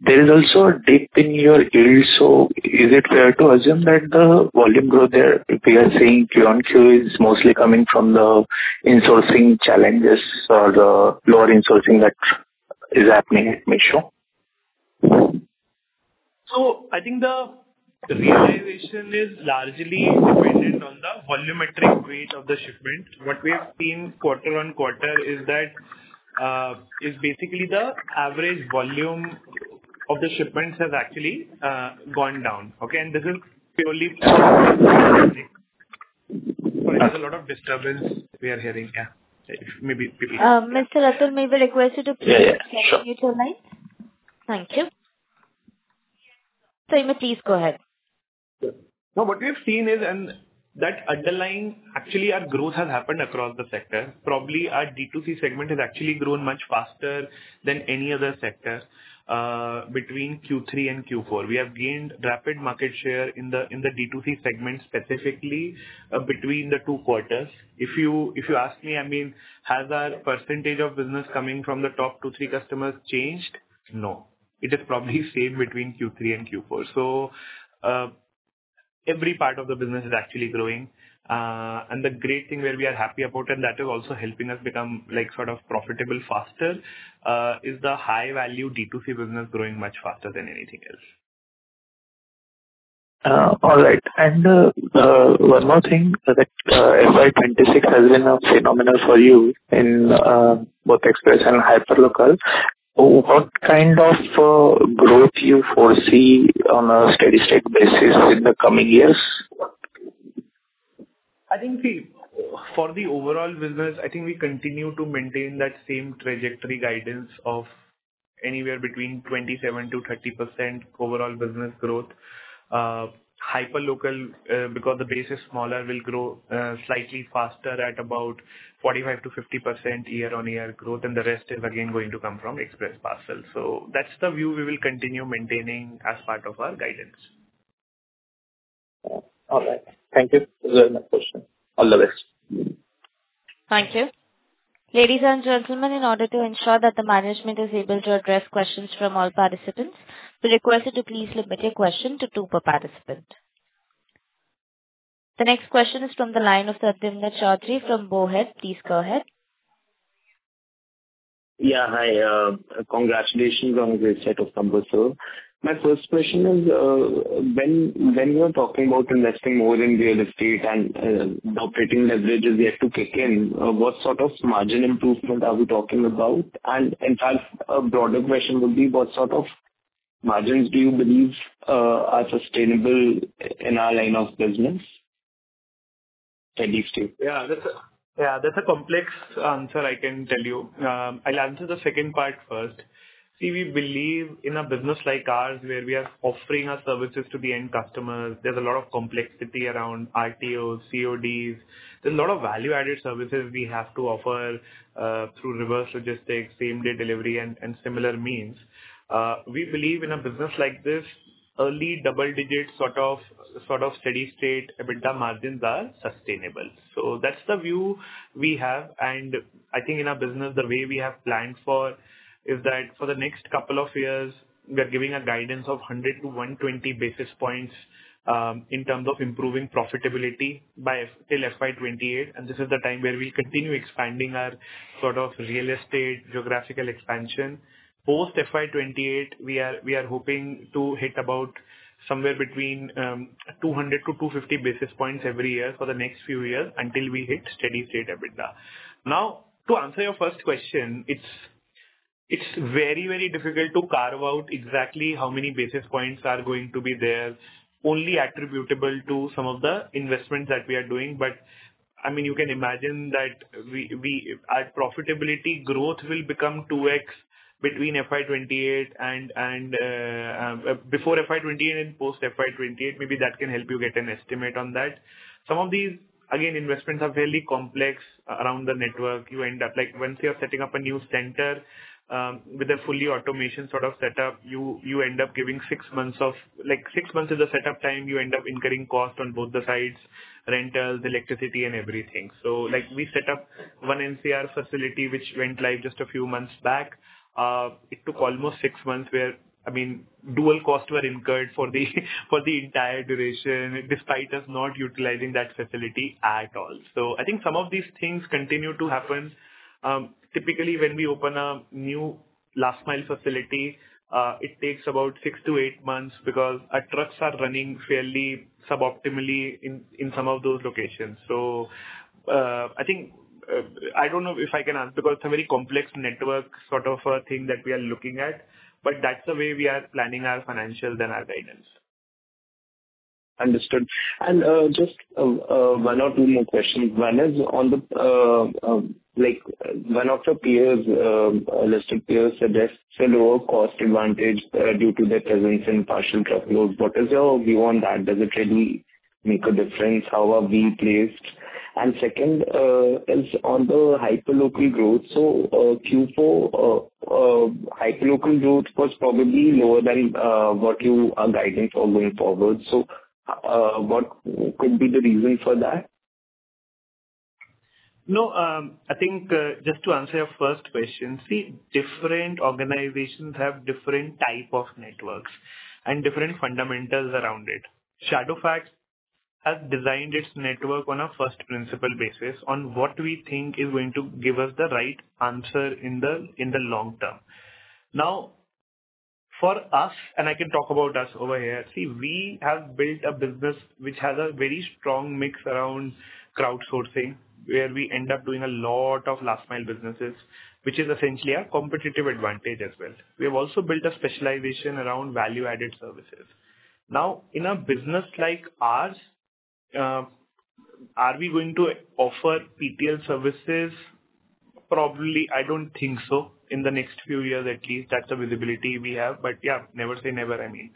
There is also a dip in your yield. Is it fair to assume that the volume growth there, if we are seeing Q on Q, is mostly coming from the insourcing challenges or the lower insourcing that is happening at Meesho? I think the realization is largely dependent on the volumetric weight of the shipment. What we have seen quarter-over-quarter is basically the average volume of the shipments has actually gone down. Sorry, there's a lot of disturbance we are hearing. Mr. Atul, may we request you to please. Yeah. Sure. mute your line? Thank you. You may please go ahead. Sure. What we have seen is, that underlying, actually, our growth has happened across the sector. Probably our D2C segment has actually grown much faster than any other sector between Q3 and Q4. We have gained rapid market share in the D2C segment, specifically between the two quarters. If you ask me, I mean, has our percentage of business coming from the top two, three customers changed? No. It has probably stayed between Q3 and Q4. Every part of the business is actually growing. The great thing where we are happy about, and that is also helping us become sort of profitable faster, is the high-value D2C business growing much faster than anything else. All right. One more thing, that FY 2026 has been phenomenal for you in both express and hyperlocal. What kind of growth you foresee on a steady state basis in the coming years? I think for the overall business, I think we continue to maintain that same trajectory guidance of anywhere between 27%-30% overall business growth. Hyperlocal, because the base is smaller, will grow slightly faster at about 45%-50% year-on-year growth, the rest is again going to come from express parcel. That's the view we will continue maintaining as part of our guidance. All right. Thank you. This is my last question. All the best. Thank you. Ladies and gentlemen, in order to ensure that the management is able to address questions from all participants, we request you to please limit your question to two per participant. The next question is from the line of Satyam Choudhary from Mohe. Please go ahead. Hi. Congratulations on a great set of numbers, sir. My first question is, when you are talking about investing more in real estate and the operating leverage is yet to kick in, what sort of margin improvement are we talking about? A broader question would be what sort of margins do you believe are sustainable in our line of business? Thank you, Steve. That's a complex answer, I can tell you. I'll answer the second part first. We believe in a business like ours where we are offering our services to the end customers, there's a lot of complexity around RTOs, CODs. There's a lot of value-added services we have to offer through reverse logistics, same-day delivery, and similar means. We believe in a business like this, early double-digit sort of steady state EBITDA margins are sustainable. That's the view we have. I think in our business, the way we have planned for is that for the next couple of years, we are giving a guidance of 100 to 120 basis points in terms of improving profitability by FY 2028, and this is the time where we'll continue expanding our real estate geographical expansion. Post FY 2028, we are hoping to hit about somewhere between 200-250 basis points every year for the next few years until we hit steady state EBITDA. To answer your first question, it's very difficult to carve out exactly how many basis points are going to be there, only attributable to some of the investments that we are doing. You can imagine that our profitability growth will become 2x between FY 2028 and before FY 2028 and post FY 2028. Maybe that can help you get an estimate on that. Some of these, again, investments are fairly complex around the network. Once you are setting up a new center with a fully automation sort of setup, you end up giving six months. Six months is a setup time. You end up incurring cost on both the sides, rentals, electricity, and everything. We set up OneNCR facility which went live just a few months back. It took almost six months where dual costs were incurred for the entire duration, despite us not utilizing that facility at all. I think some of these things continue to happen. Typically, when we open a new last mile facility, it takes about six to eight months because our trucks are running fairly suboptimally in some of those locations. I don't know if I can answer because it's a very complex network sort of a thing that we are looking at, but that's the way we are planning our financials and our guidance. Understood. Just one or two more questions. One is on one of the listed peers suggests a lower cost advantage due to their presence in partial truckload. What is your view on that? Does it really make a difference? How are we placed? Second is on the hyperlocal growth. Q4 hyperlocal growth was probably lower than what you are guiding for going forward. What could be the reason for that? No. I think, just to answer your first question. Different organizations have different type of networks and different fundamentals around it. Shadowfax has designed its network on a first principle basis on what we think is going to give us the right answer in the long term. For us, I can talk about us over here. We have built a business which has a very strong mix around crowdsourcing, where we end up doing a lot of last mile businesses, which is essentially a competitive advantage as well. We have also built a specialization around value-added services. In a business like ours, are we going to offer PPL services? Probably, I don't think so in the next few years, at least. That's the visibility we have. Yeah, never say never. I mean.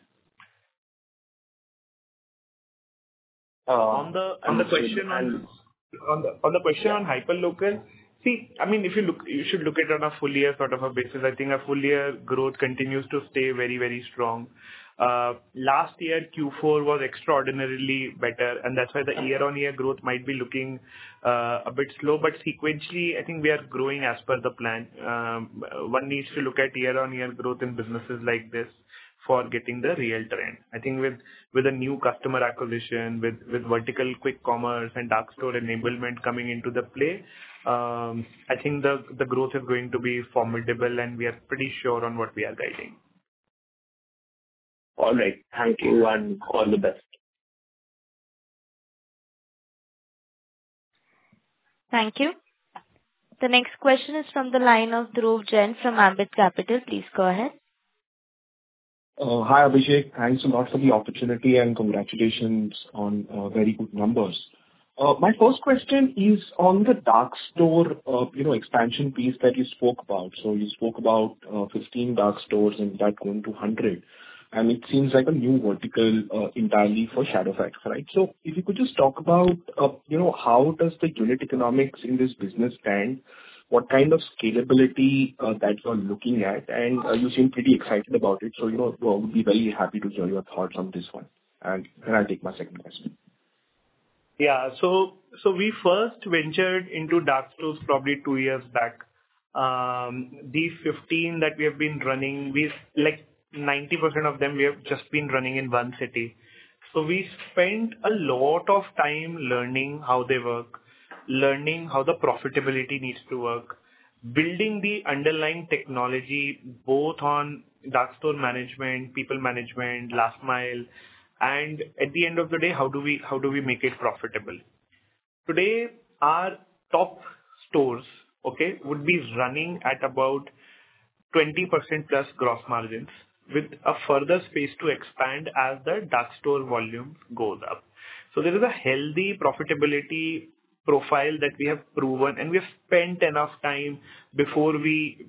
And- On the question on hyperlocal. See, you should look at it on a full year sort of a basis. I think a full year growth continues to stay very strong. Last year, Q4 was extraordinarily better, and that's why the year-on-year growth might be looking a bit slow. Sequentially, I think we are growing as per the plan. One needs to look at year-on-year growth in businesses like this for getting the real trend. I think with a new customer acquisition, with vertical quick commerce and dark store enablement coming into the play, I think the growth is going to be formidable, and we are pretty sure on what we are guiding. All right. Thank you, and all the best. Thank you. The next question is from the line of Dhruv Jain from Ambit Capital. Please go ahead. Hi, Abhishek. Thanks a lot for the opportunity and congratulations on very good numbers. My first question is on the dark store expansion piece that you spoke about. You spoke about 15 dark stores and that going to 100, and it seems like a new vertical entirely for Shadowfax, right? If you could just talk about how does the unit economics in this business stand, what kind of scalability that you are looking at, and you seem pretty excited about it. I would be very happy to hear your thoughts on this one, and then I'll take my second question. Yeah. We first ventured into dark stores probably two years back. These 15 that we have been running, 90% of them we have just been running in one city. We spent a lot of time learning how they work, learning how the profitability needs to work, building the underlying technology, both on dark store management, people management, last mile, and at the end of the day, how do we make it profitable. Today, our top stores, okay, would be running at about 20% plus gross margins with a further space to expand as the dark store volumes goes up. There is a healthy profitability profile that we have proven, and we have spent enough time before we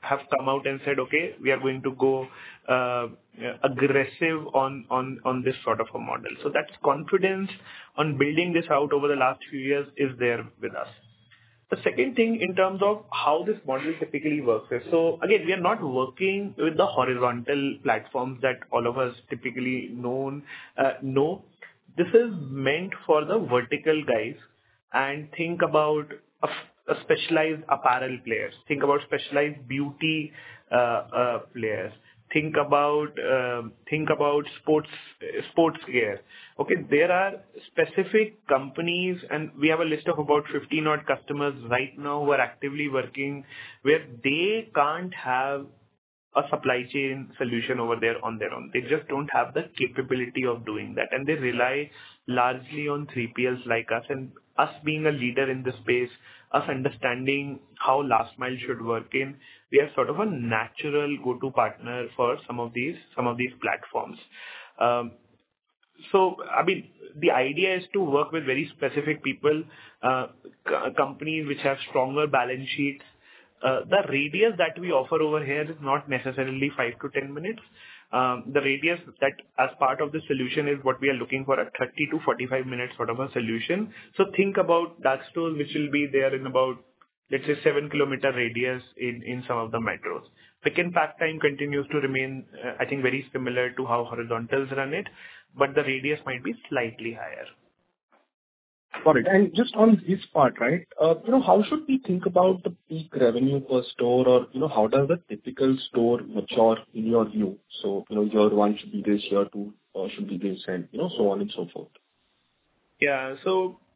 have come out and said, "Okay, we are going to go aggressive on this sort of a model." That confidence on building this out over the last few years is there with us. The second thing in terms of how this model typically works is, again, we are not working with the horizontal platforms that all of us typically know. This is meant for the vertical guys, and think about a specialized apparel player. Think about specialized beauty players. Think about sports gear. Okay. There are specific companies, and we have a list of about 15 odd customers right now who are actively working, where they can't have a supply chain solution over there on their own. They just don't have the capability of doing that, and they rely largely on 3PLs like us. Us being a leader in the space, us understanding how last mile should work in, we are sort of a natural go-to partner for some of these platforms. The idea is to work with very specific people, companies which have stronger balance sheets. The radius that we offer over here is not necessarily five to 10 minutes. The radius that as part of the solution is what we are looking for, a 30 to 45 minutes sort of a solution. Think about dark stores which will be there in about, let's say, seven-kilometer radius in some of the metros. Pick and pack time continues to remain, I think, very similar to how horizontals run it, but the radius might be slightly higher. Got it. Just on this part. How should we think about the peak revenue per store, or how does a typical store mature in your view? Year one should be this, year two should be this, and so on and so forth.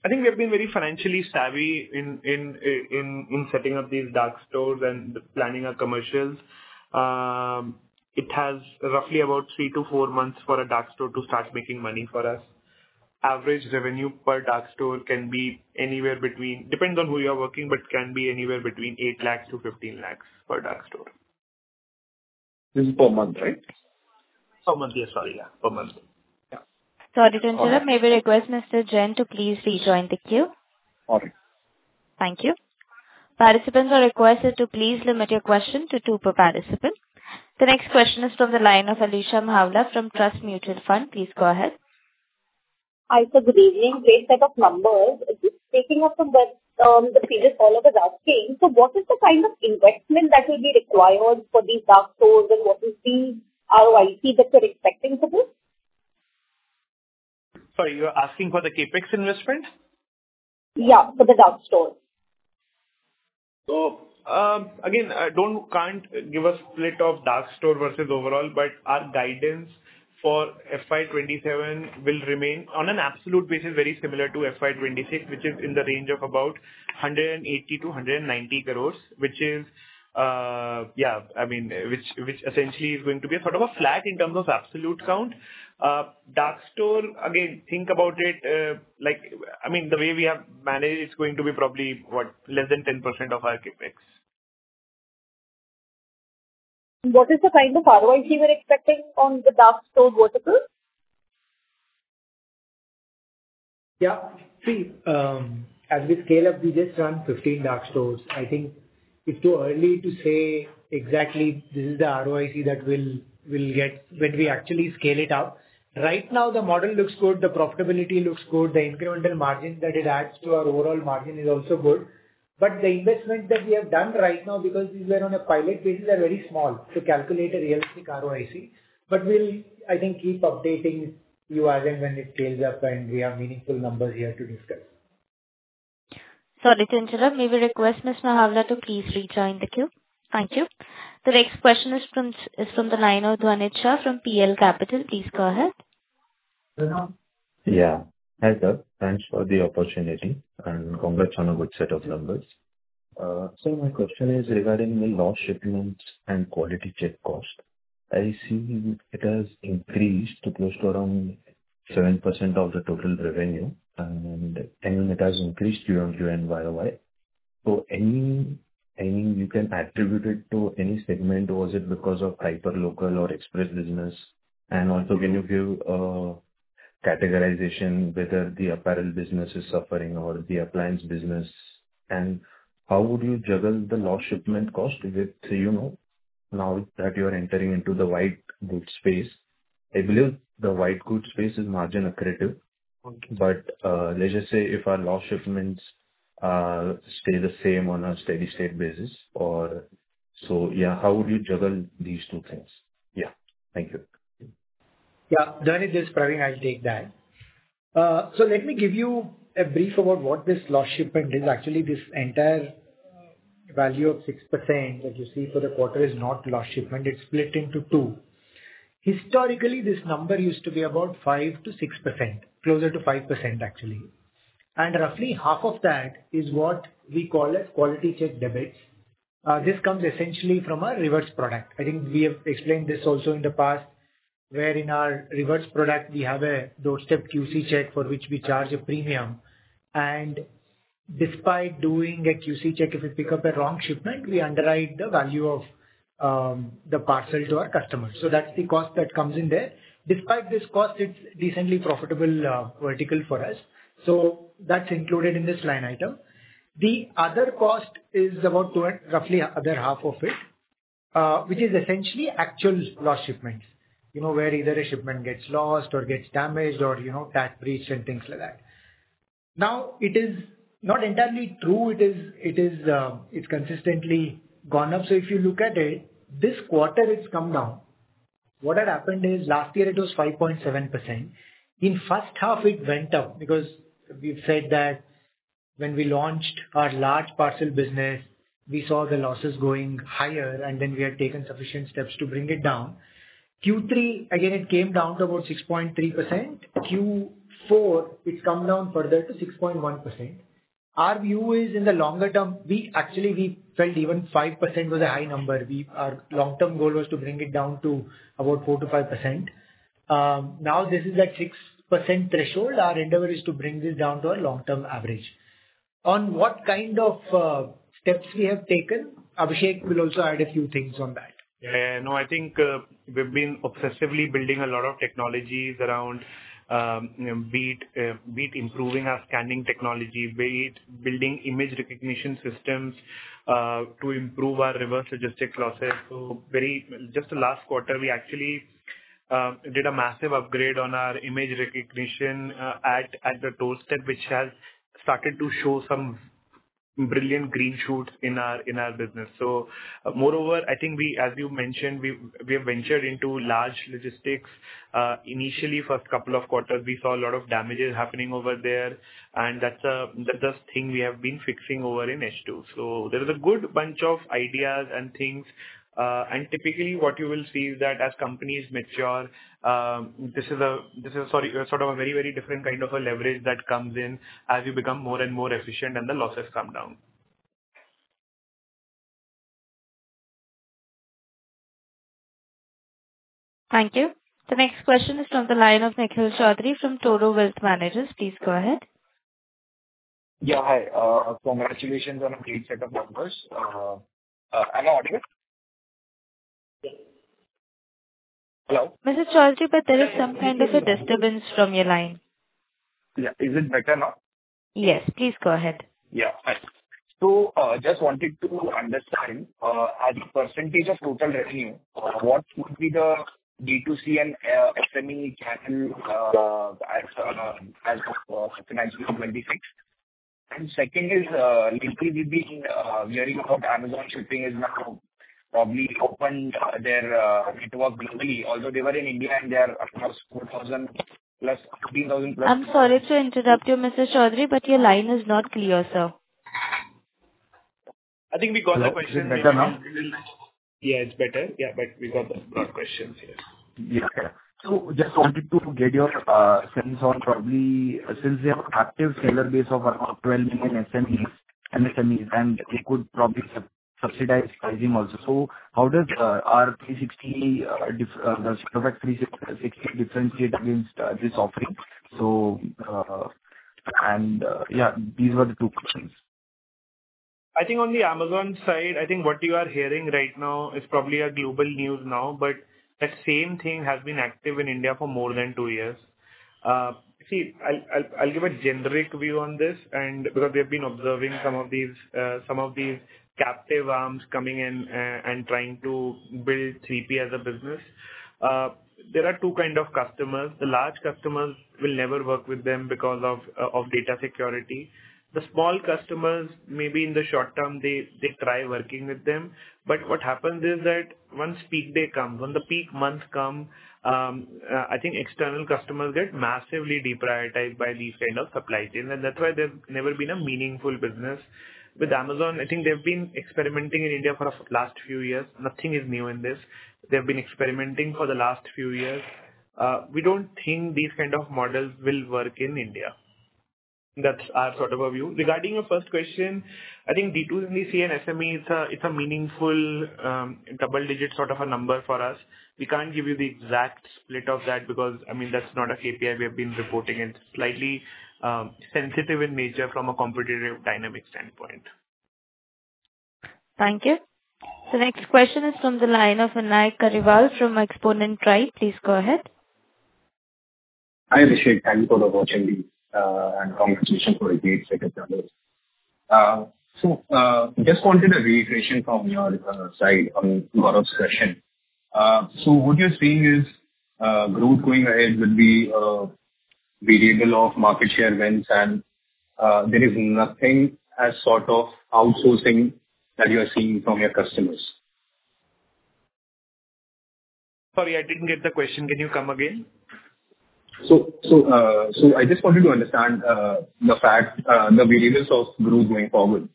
I think we have been very financially savvy in setting up these dark stores and planning our commercials. It takes roughly about three to four months for a dark store to start making money for us. Average revenue per dark store can be anywhere between, depends on who you are working, but can be anywhere between 8 lakhs-15 lakhs per dark store. This is per month, right? Per month. Yes, sorry. Per month. Yeah. Sorry to interrupt. May we request Mr. Jain to please rejoin the queue? All right. Thank you. Participants are requested to please limit your question to two per participant. The next question is from the line of Alisha Mhavla from Trust Mutual Fund. Please go ahead. Hi, sir. Good evening. Great set of numbers. Just picking up from the previous caller was asking, what is the kind of investment that will be required for these dark stores and what is the ROIC that you're expecting for this? Sorry, you're asking for the CapEx investment? Yeah, for the dark stores. Again, I can't give a split of dark store versus overall, but our guidance for FY 2027 will remain, on an absolute basis, very similar to FY 2026, which is in the range of about 180-190 crores, which essentially is going to be a sort of a flat in terms of absolute count. Dark store, again, think about it, the way we have managed, it's going to be probably less than 10% of our CapEx. What is the kind of ROIC you were expecting on the dark store vertical? Yeah. See, as we scale up, we just run 15 dark stores. I think it's too early to say exactly this is the ROIC that we'll get when we actually scale it up. Right now, the model looks good, the profitability looks good. The incremental margin that it adds to our overall margin is also good. The investment that we have done right now because these were on a pilot basis are very small to calculate a realistic ROIC. We'll, I think, keep updating you as and when it scales up and we have meaningful numbers here to discuss. Sorry to interrupt. May we request Ms. Mhavla to please rejoin the queue. Thank you. The next question is from the line of Dhanit Shah from Prabhudas Lilladher. Please go ahead. Hello. Hi, sir. Thanks for the opportunity and congrats on a good set of numbers. Sir, my question is regarding the lost shipments and quality check cost. I see it has increased to close to around 7% of the total revenue, and it has increased year-on-year and Y-o-Y. You can attribute it to any segment, or was it because of hyper local or express business? Also, can you give a categorization whether the apparel business is suffering or the appliance business? And how would you juggle the lost shipment cost with CUMOL, now that you are entering into the white goods space? I believe the white goods space is margin accretive. Okay. Let's just say if our lost shipments stay the same on a steady state basis or yeah, how would you juggle these two things? Thank you. Dhanunjay speaking, I'll take that. Let me give you a brief about what this lost shipment is. Actually, this entire value of 6% that you see for the quarter is not lost shipment. It's split into two. Historically, this number used to be about 5%-6%, closer to 5%, actually. Roughly half of that is what we call as quality check debits. This comes essentially from a reverse product. I think we have explained this also in the past, where in our reverse product, we have a doorstep QC check for which we charge a premium. Despite doing a QC check, if we pick up a wrong shipment, we underwrite the value of the parcel to our customer. That's the cost that comes in there. Despite this cost, it's a decently profitable vertical for us. That's included in this line item. The other cost is about roughly the other half of it, which is essentially actual lost shipments, where either a shipment gets lost or gets damaged or that breach and things like that. It is not entirely true. It's consistently gone up. If you look at it, this quarter it's come down. What had happened is last year it was 5.7%. In the first half, it went up because we've said that when we launched our large parcel business, we saw the losses going higher, and then we had taken sufficient steps to bring it down. Q3, again, it came down to about 6.3%. Q4, it's come down further to 6.1%. Our view is in the longer term, we actually felt even 5% was a high number. Our long-term goal was to bring it down to about 4%-5%. This is at 6% threshold, our endeavor is to bring this down to our long-term average. On what kind of steps we have taken, Abhishek will also add a few things on that. No, I think we've been obsessively building a lot of technologies around, be it improving our scanning technology, be it building image recognition systems to improve our reverse logistic losses. Just the last quarter, we actually did a massive upgrade on our image recognition at the doorstep, which has started to show some brilliant green shoots in our business. Moreover, I think as you mentioned, we've ventured into large logistics. Initially, first couple of quarters, we saw a lot of damages happening over there, and that's a thing we have been fixing over in H2. There is a good bunch of ideas and things. Typically, what you will see is that as companies mature, this is sort of a very different kind of a leverage that comes in as you become more and more efficient and the losses come down. Thank you. The next question is from the line of Nikhil Choudhary from Toro Wealth Managers. Please go ahead. Yeah. Hi. Congratulations on a great set of numbers. Am I audible? Hello? Mr. Choudhary, there is some kind of a disturbance from your line. Yeah. Is it better now? Yes. Please go ahead. Yeah. Hi. Just wanted to understand, as a % of total revenue, what would be the B2C and SME CapEx as of FY 2026? Second is, lately we've been hearing about Amazon Shipping has now probably opened their network globally. Although they were in India and they are across 4,000 plus, 15,000 plus- I'm sorry to interrupt you, Mr. Choudhary, your line is not clear, sir. I think we got the question. Is it better now? Yeah, it's better. We got the broad questions here. Yeah. Just wanted to get your sense on probably since they have an active seller base of around 12 million SMEs and they could probably subsidize pricing also. How does our 360 differentiate against this offering? Yeah, these were the two questions. I think on the Amazon side, I think what you are hearing right now is probably a global news now, but the same thing has been active in India for more than two years. I'll give a generic view on this, because we have been observing some of these captive arms coming in and trying to build 3P as a business. There are two kind of customers. The large customers will never work with them because of data security. The small customers, maybe in the short term, they try working with them. What happens is that once peak day comes, when the peak months come, I think external customers get massively deprioritized by these kinds of supply chains, and that's why there's never been a meaningful business. With Amazon, I think they've been experimenting in India for the last few years. Nothing is new in this. They've been experimenting for the last few years. We don't think these kinds of models will work in India. That's our sort of a view. Regarding your first question, I think B2C and SME, it's a meaningful double-digit sort of a number for us. We can't give you the exact split of that because, I mean, that's not a KPI we have been reporting, slightly sensitive in nature from a competitive dynamic standpoint. Thank you. Next question is from the line of Vinayak Kariwal from Xponent Tribe. Please go ahead. Hi, Abhishek. Thank you for the opportunity and congratulations for a great set of numbers. Just wanted a reiteration from your side on Gaurav's question. What you're saying is growth going ahead will be a variable of market share wins and there is nothing as sort of outsourcing that you are seeing from your customers. Sorry, I didn't get the question. Can you come again? I just wanted to understand the variables of growth going forward.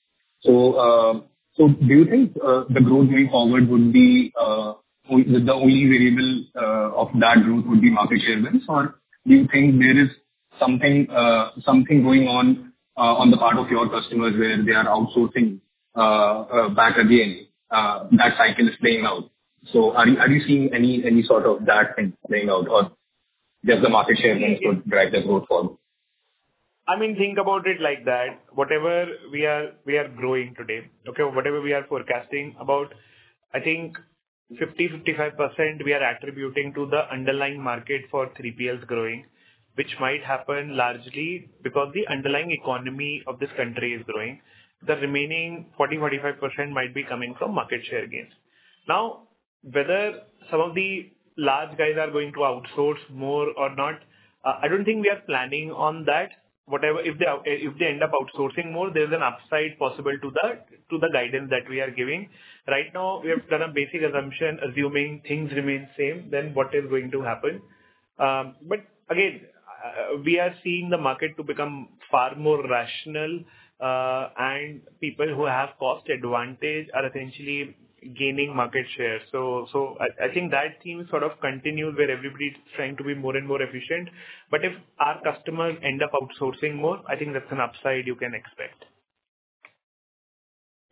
Do you think the growth going forward, the only variable of that growth would be market share wins or do you think there is something going on the part of your customers where they are outsourcing back again, that cycle is playing out. Are you seeing any sort of that thing playing out or just the market share wins would drive the growth forward? I mean, think about it like that. Whatever we are growing today. Okay. Whatever we are forecasting about, I think 50%-55% we are attributing to the underlying market for 3PLs growing, which might happen largely because the underlying economy of this country is growing. The remaining 40%-45% might be coming from market share gains. Whether some of the large guys are going to outsource more or not, I don't think we are planning on that. If they end up outsourcing more, there's an upside possible to the guidance that we are giving. Right now, we have done a basic assumption, assuming things remain same, then what is going to happen. Again, we are seeing the market to become far more rational, and people who have cost advantage are essentially gaining market share. I think that theme sort of continues where everybody's trying to be more and more efficient. If our customers end up outsourcing more, I think that's an upside you can expect.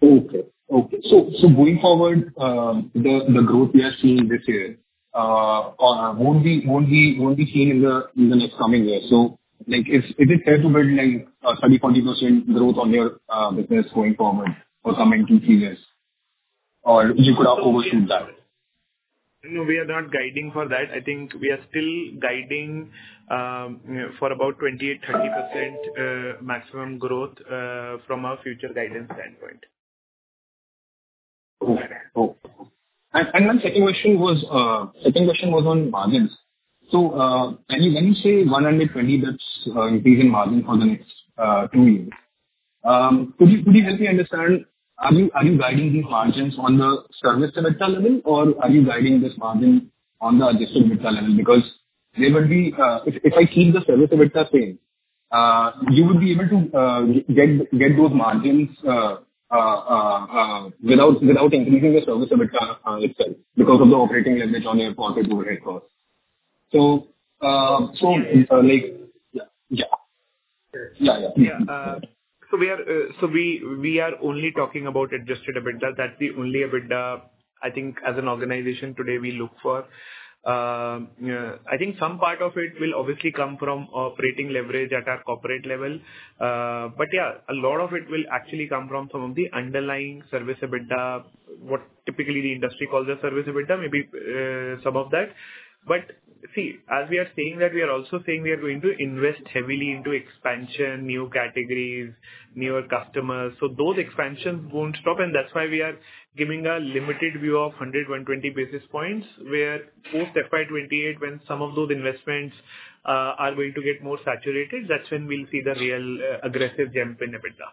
Okay. Going forward, the growth we are seeing this year won't be seen in the next coming year. Is it fair to build a 30%-40% growth on your business going forward for coming two, three years? Or you could have overshoot that? No, we are not guiding for that. I think we are still guiding for about 20%-30% maximum growth from our future guidance standpoint. Okay. Cool. My second question was on margins. When you say 120 basis points increase in margin for the next two years, could you help me understand, are you guiding these margins on the service EBITDA level or are you guiding this margin on the adjusted EBITDA level? Because if I keep the service EBITDA same, you would be able to get those margins without increasing the service EBITDA itself because of the operating leverage on your corporate overhead cost. Yeah. We are only talking about adjusted EBITDA. That's the only EBITDA I think as an organization today we look for. I think some part of it will obviously come from operating leverage at our corporate level. Yeah, a lot of it will actually come from some of the underlying service EBITDA, what typically the industry calls a service EBITDA, maybe some of that. See, as we are saying that, we are also saying we are going to invest heavily into expansion, new categories, newer customers. Those expansions won't stop and that's why we are giving a limited view of 120 basis points where post FY 2028 when some of those investments are going to get more saturated, that's when we will see the real aggressive jump in EBITDA.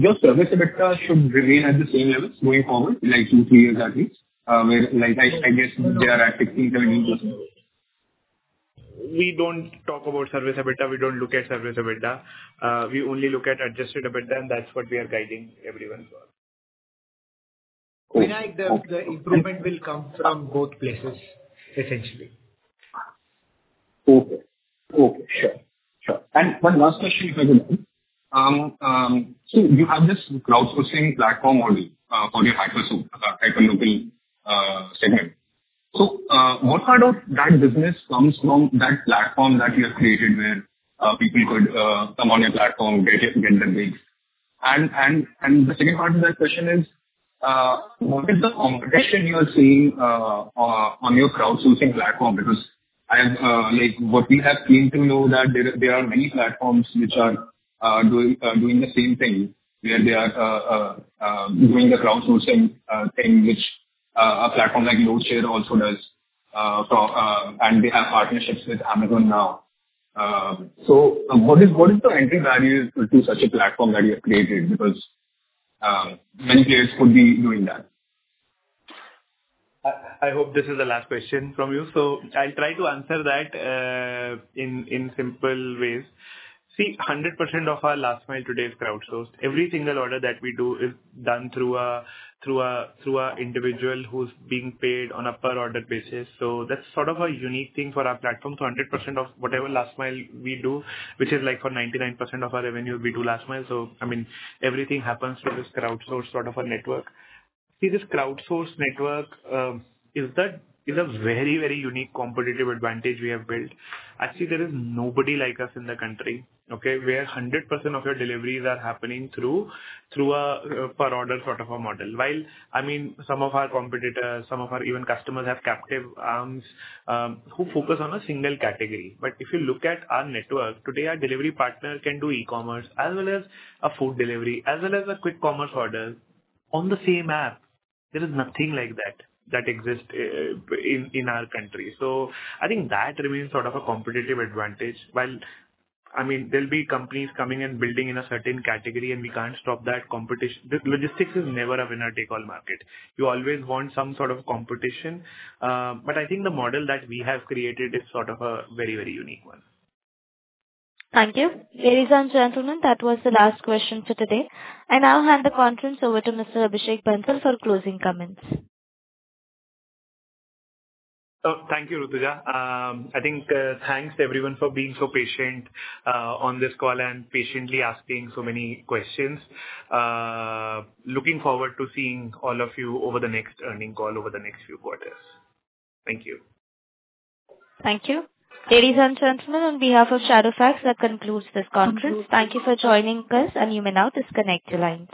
Your service EBITDA should remain at the same levels going forward in like 2, 3 years at least where I guess they are at 16%, 17%. We don't talk about service EBITDA. We don't look at service EBITDA. We only look at adjusted EBITDA and that's what we are guiding everyone for. Vinayak, the improvement will come from both places essentially. Okay. Sure. One last question if I may. You have this crowdsourcing platform model for your Hyperlocal segment. What part of that business comes from that platform that you have created where people could come on your platform, get their gigs. The second part to that question is, what is the competition you are seeing on your crowdsourcing platform? What we have seen to know that there are many platforms which are doing the same thing, where they are doing the crowdsourcing thing which a platform like LoadShare also does and they have partnerships with Amazon now. What is the entry barriers to such a platform that you have created because many players could be doing that. I hope this is the last question from you. I'll try to answer that in simple ways. 100% of our last mile today is crowdsourced. Every single order that we do is done through our individual who's being paid on a per order basis. That's sort of a unique thing for our platform. 100% of whatever last mile we do, which is like for 99% of our revenue we do last mile. Everything happens through this crowdsourced sort of a network. This crowdsourced network is a very unique competitive advantage we have built. Actually, there is nobody like us in the country, okay, where 100% of your deliveries are happening through a per order sort of a model. While, some of our competitors, some of our even customers have captive arms who focus on a single category. If you look at our network, today our delivery partner can do e-commerce as well as a food delivery, as well as a quick commerce order on the same app. There is nothing like that that exists in our country. I think that remains sort of a competitive advantage. While there'll be companies coming and building in a certain category and we can't stop that competition. Logistics is never a winner-take-all market. You always want some sort of competition. I think the model that we have created is sort of a very unique one. Thank you. Ladies and gentlemen, that was the last question for today. I now hand the conference over to Mr. Abhishek Bansal for closing comments. Thank you, Rutuja. I think, thanks everyone for being so patient on this call and patiently asking so many questions. Looking forward to seeing all of you over the next earning call over the next few quarters. Thank you. Thank you. Ladies and gentlemen, on behalf of Shadowfax, that concludes this conference. Thank you for joining us and you may now disconnect your line.